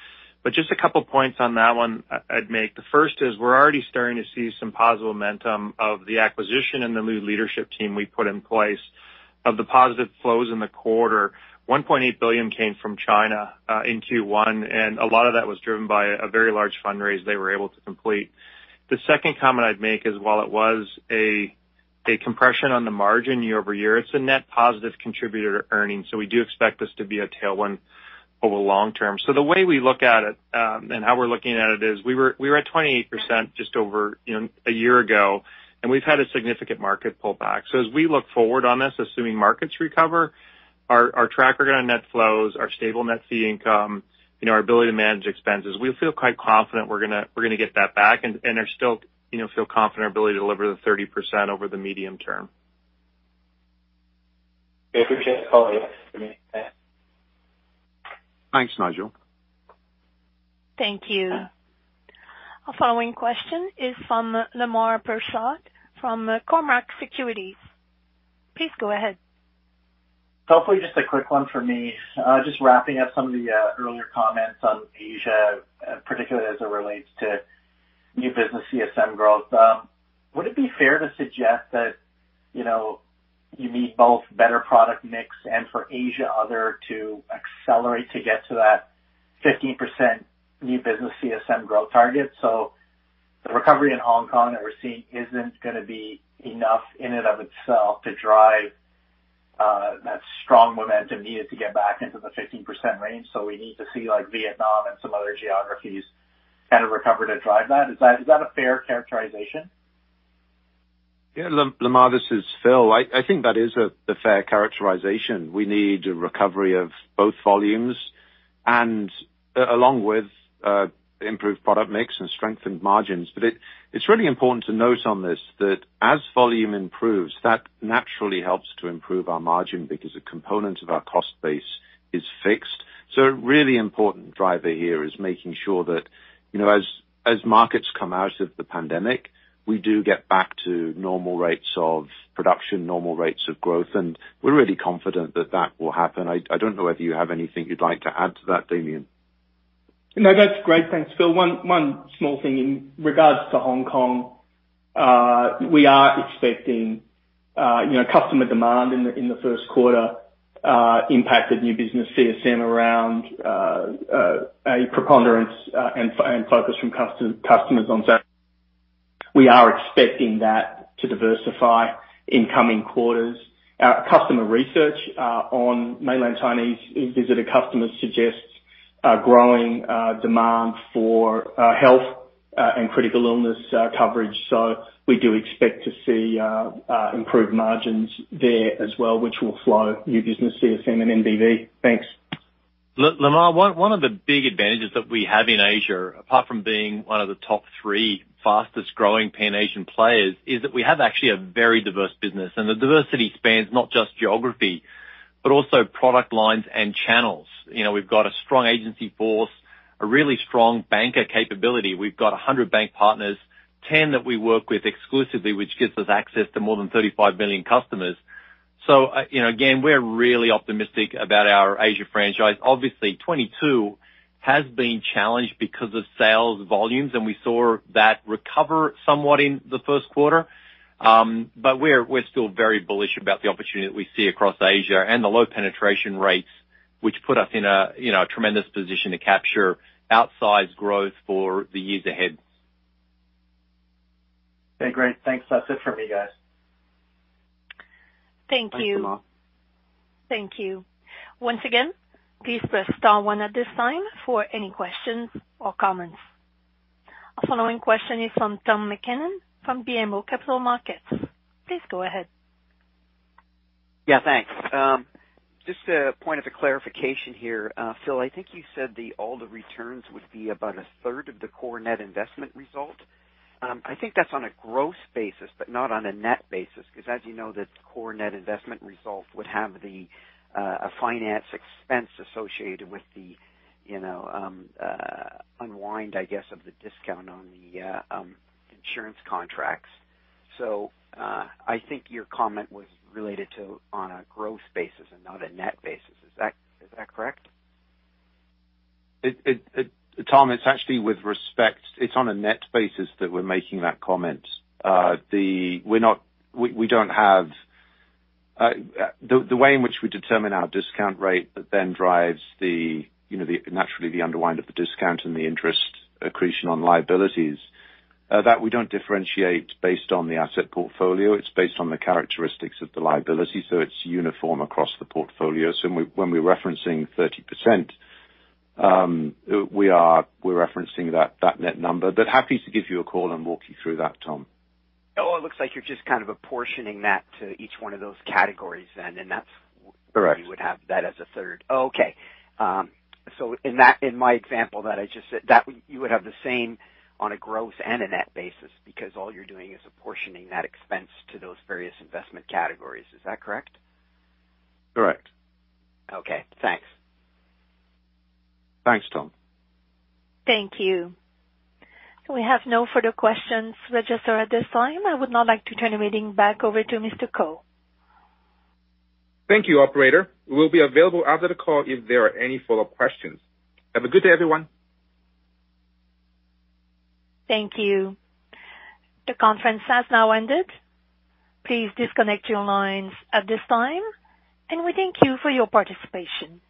Just a couple points on that one I'd make. The first is we're already starting to see some positive momentum of the acquisition and the new leadership team we put in place. Of the positive flows in the quarter, 1.8 billion came from China in Q1, and a lot of that was driven by a very large fundraise they were able to complete. The second comment I'd make is, while it was a compression on the margin year-over-year, it's a net positive contributor to earnings. We do expect this to be a tailwind over long term. The way we look at it, and how we're looking at it is we were at 28% just over, you know, a year ago, and we've had a significant market pullback. As we look forward on this, assuming markets recover, our track record on net flows, our stable net fee income, you know, our ability to manage expenses, we feel quite confident we're gonna get that back. Are still, you know, feel confident our ability to deliver the 30% over the medium term. I appreciate the call. Thanks. Thanks, Nigel. Thank you. Our following question is from Lemar Pershad from Cormark Securities. Please go ahead. Hopefully just a quick one for me. Just wrapping up some of the earlier comments on Asia, particularly as it relates to new business CSM growth. Would it be fair to suggest that, you know, you need both better product mix and for Asia other to accelerate to get to that 15% new business CSM growth target? The recovery in Hong Kong that we're seeing isn't gonna be enough in and of itself to drive that strong momentum needed to get back into the 15% range. We need to see like Vietnam and some other geographies. Kind of recover to drive that. Is that, is that a fair characterization? Lemar, this is Phil. I think that is a fair characterization. We need a recovery of both volumes and along with improved product mix and strengthened margins. It's really important to note on this that as volume improves, that naturally helps to improve our margin because a component of our cost base is fixed. A really important driver here is making sure that, you know, as markets come out of the pandemic, we do get back to normal rates of production, normal rates of growth, and we're really confident that that will happen. I don't know whether you have anything you'd like to add to that, Damien. No, that's great. Thanks, Phil. One small thing in regards to Hong Kong. We are expecting, you know, customer demand in the first quarter impacted new business CSM around a preponderance and focus from customers on. We are expecting that to diversify in coming quarters. Our customer research on mainland Chinese visitor customers suggests a growing demand for health and critical illness coverage. We do expect to see improved margins there as well, which will flow new business CSM and NBV. Thanks. Lamar, one of the big advantages that we have in Asia, apart from being one of the top three fastest growing Pan-Asian players, is that we have actually a very diverse business. The diversity spans not just geography but also product lines and channels. You know, we've got a strong agency force, a really strong banker capability. We've got 100 bank partners, 10 that we work with exclusively, which gives us access to more than 35 million customers. You know, again, we're really optimistic about our Asia franchise. Obviously, 2022 has been challenged because of sales volumes. We saw that recover somewhat in the first quarter. We're still very bullish about the opportunity that we see across Asia and the low penetration rates, which put us in a, you know, a tremendous position to capture outsized growth for the years ahead. Okay, great. Thanks. That's it for me, guys. Thank you. Thanks, Lamar. Thank you. Once again, please press star one at this time for any questions or comments. The following question is from Tom MacKinnon from BMO Capital Markets. Please go ahead. Yeah, thanks. Just a point of a clarification here. Phil, I think you said the, all the returns would be about a third of the core net investment result. I think that's on a gross basis, but not on a net basis, because as you know, the core net investment result would have the, a finance expense associated with the, you know, unwind, of the discount on the, insurance contracts. I think your comment was related to on a gross basis and not a net basis. Is that correct? Tom, it's actually with respect. It's on a net basis that we're making that comment. We don't have the way in which we determine our discount rate that then drives, you know, naturally, the unwind of the discount and the interest accretion on liabilities that we don't differentiate based on the asset portfolio. It's based on the characteristics of the liability, so it's uniform across the portfolio. When we're referencing 30%, we're referencing that net number. Happy to give you a call and walk you through that, Tom. It looks like you're just kind of apportioning that to each one of those categories then, and that's. Correct. You would have that as a third. Okay. In that, in my example that I just said, you would have the same on a gross and a net basis because all you're doing is apportioning that expense to those various investment categories. Is that correct? Correct. Okay, thanks. Thanks, Tom. Thank you. We have no further questions registered at this time. I would now like to turn the meeting back over to Mr. Ko. Thank you, operator. We'll be available after the call if there are any follow-up questions. Have a good day, everyone. Thank you. The conference has now ended. Please disconnect your lines at this time, and we thank you for your participation.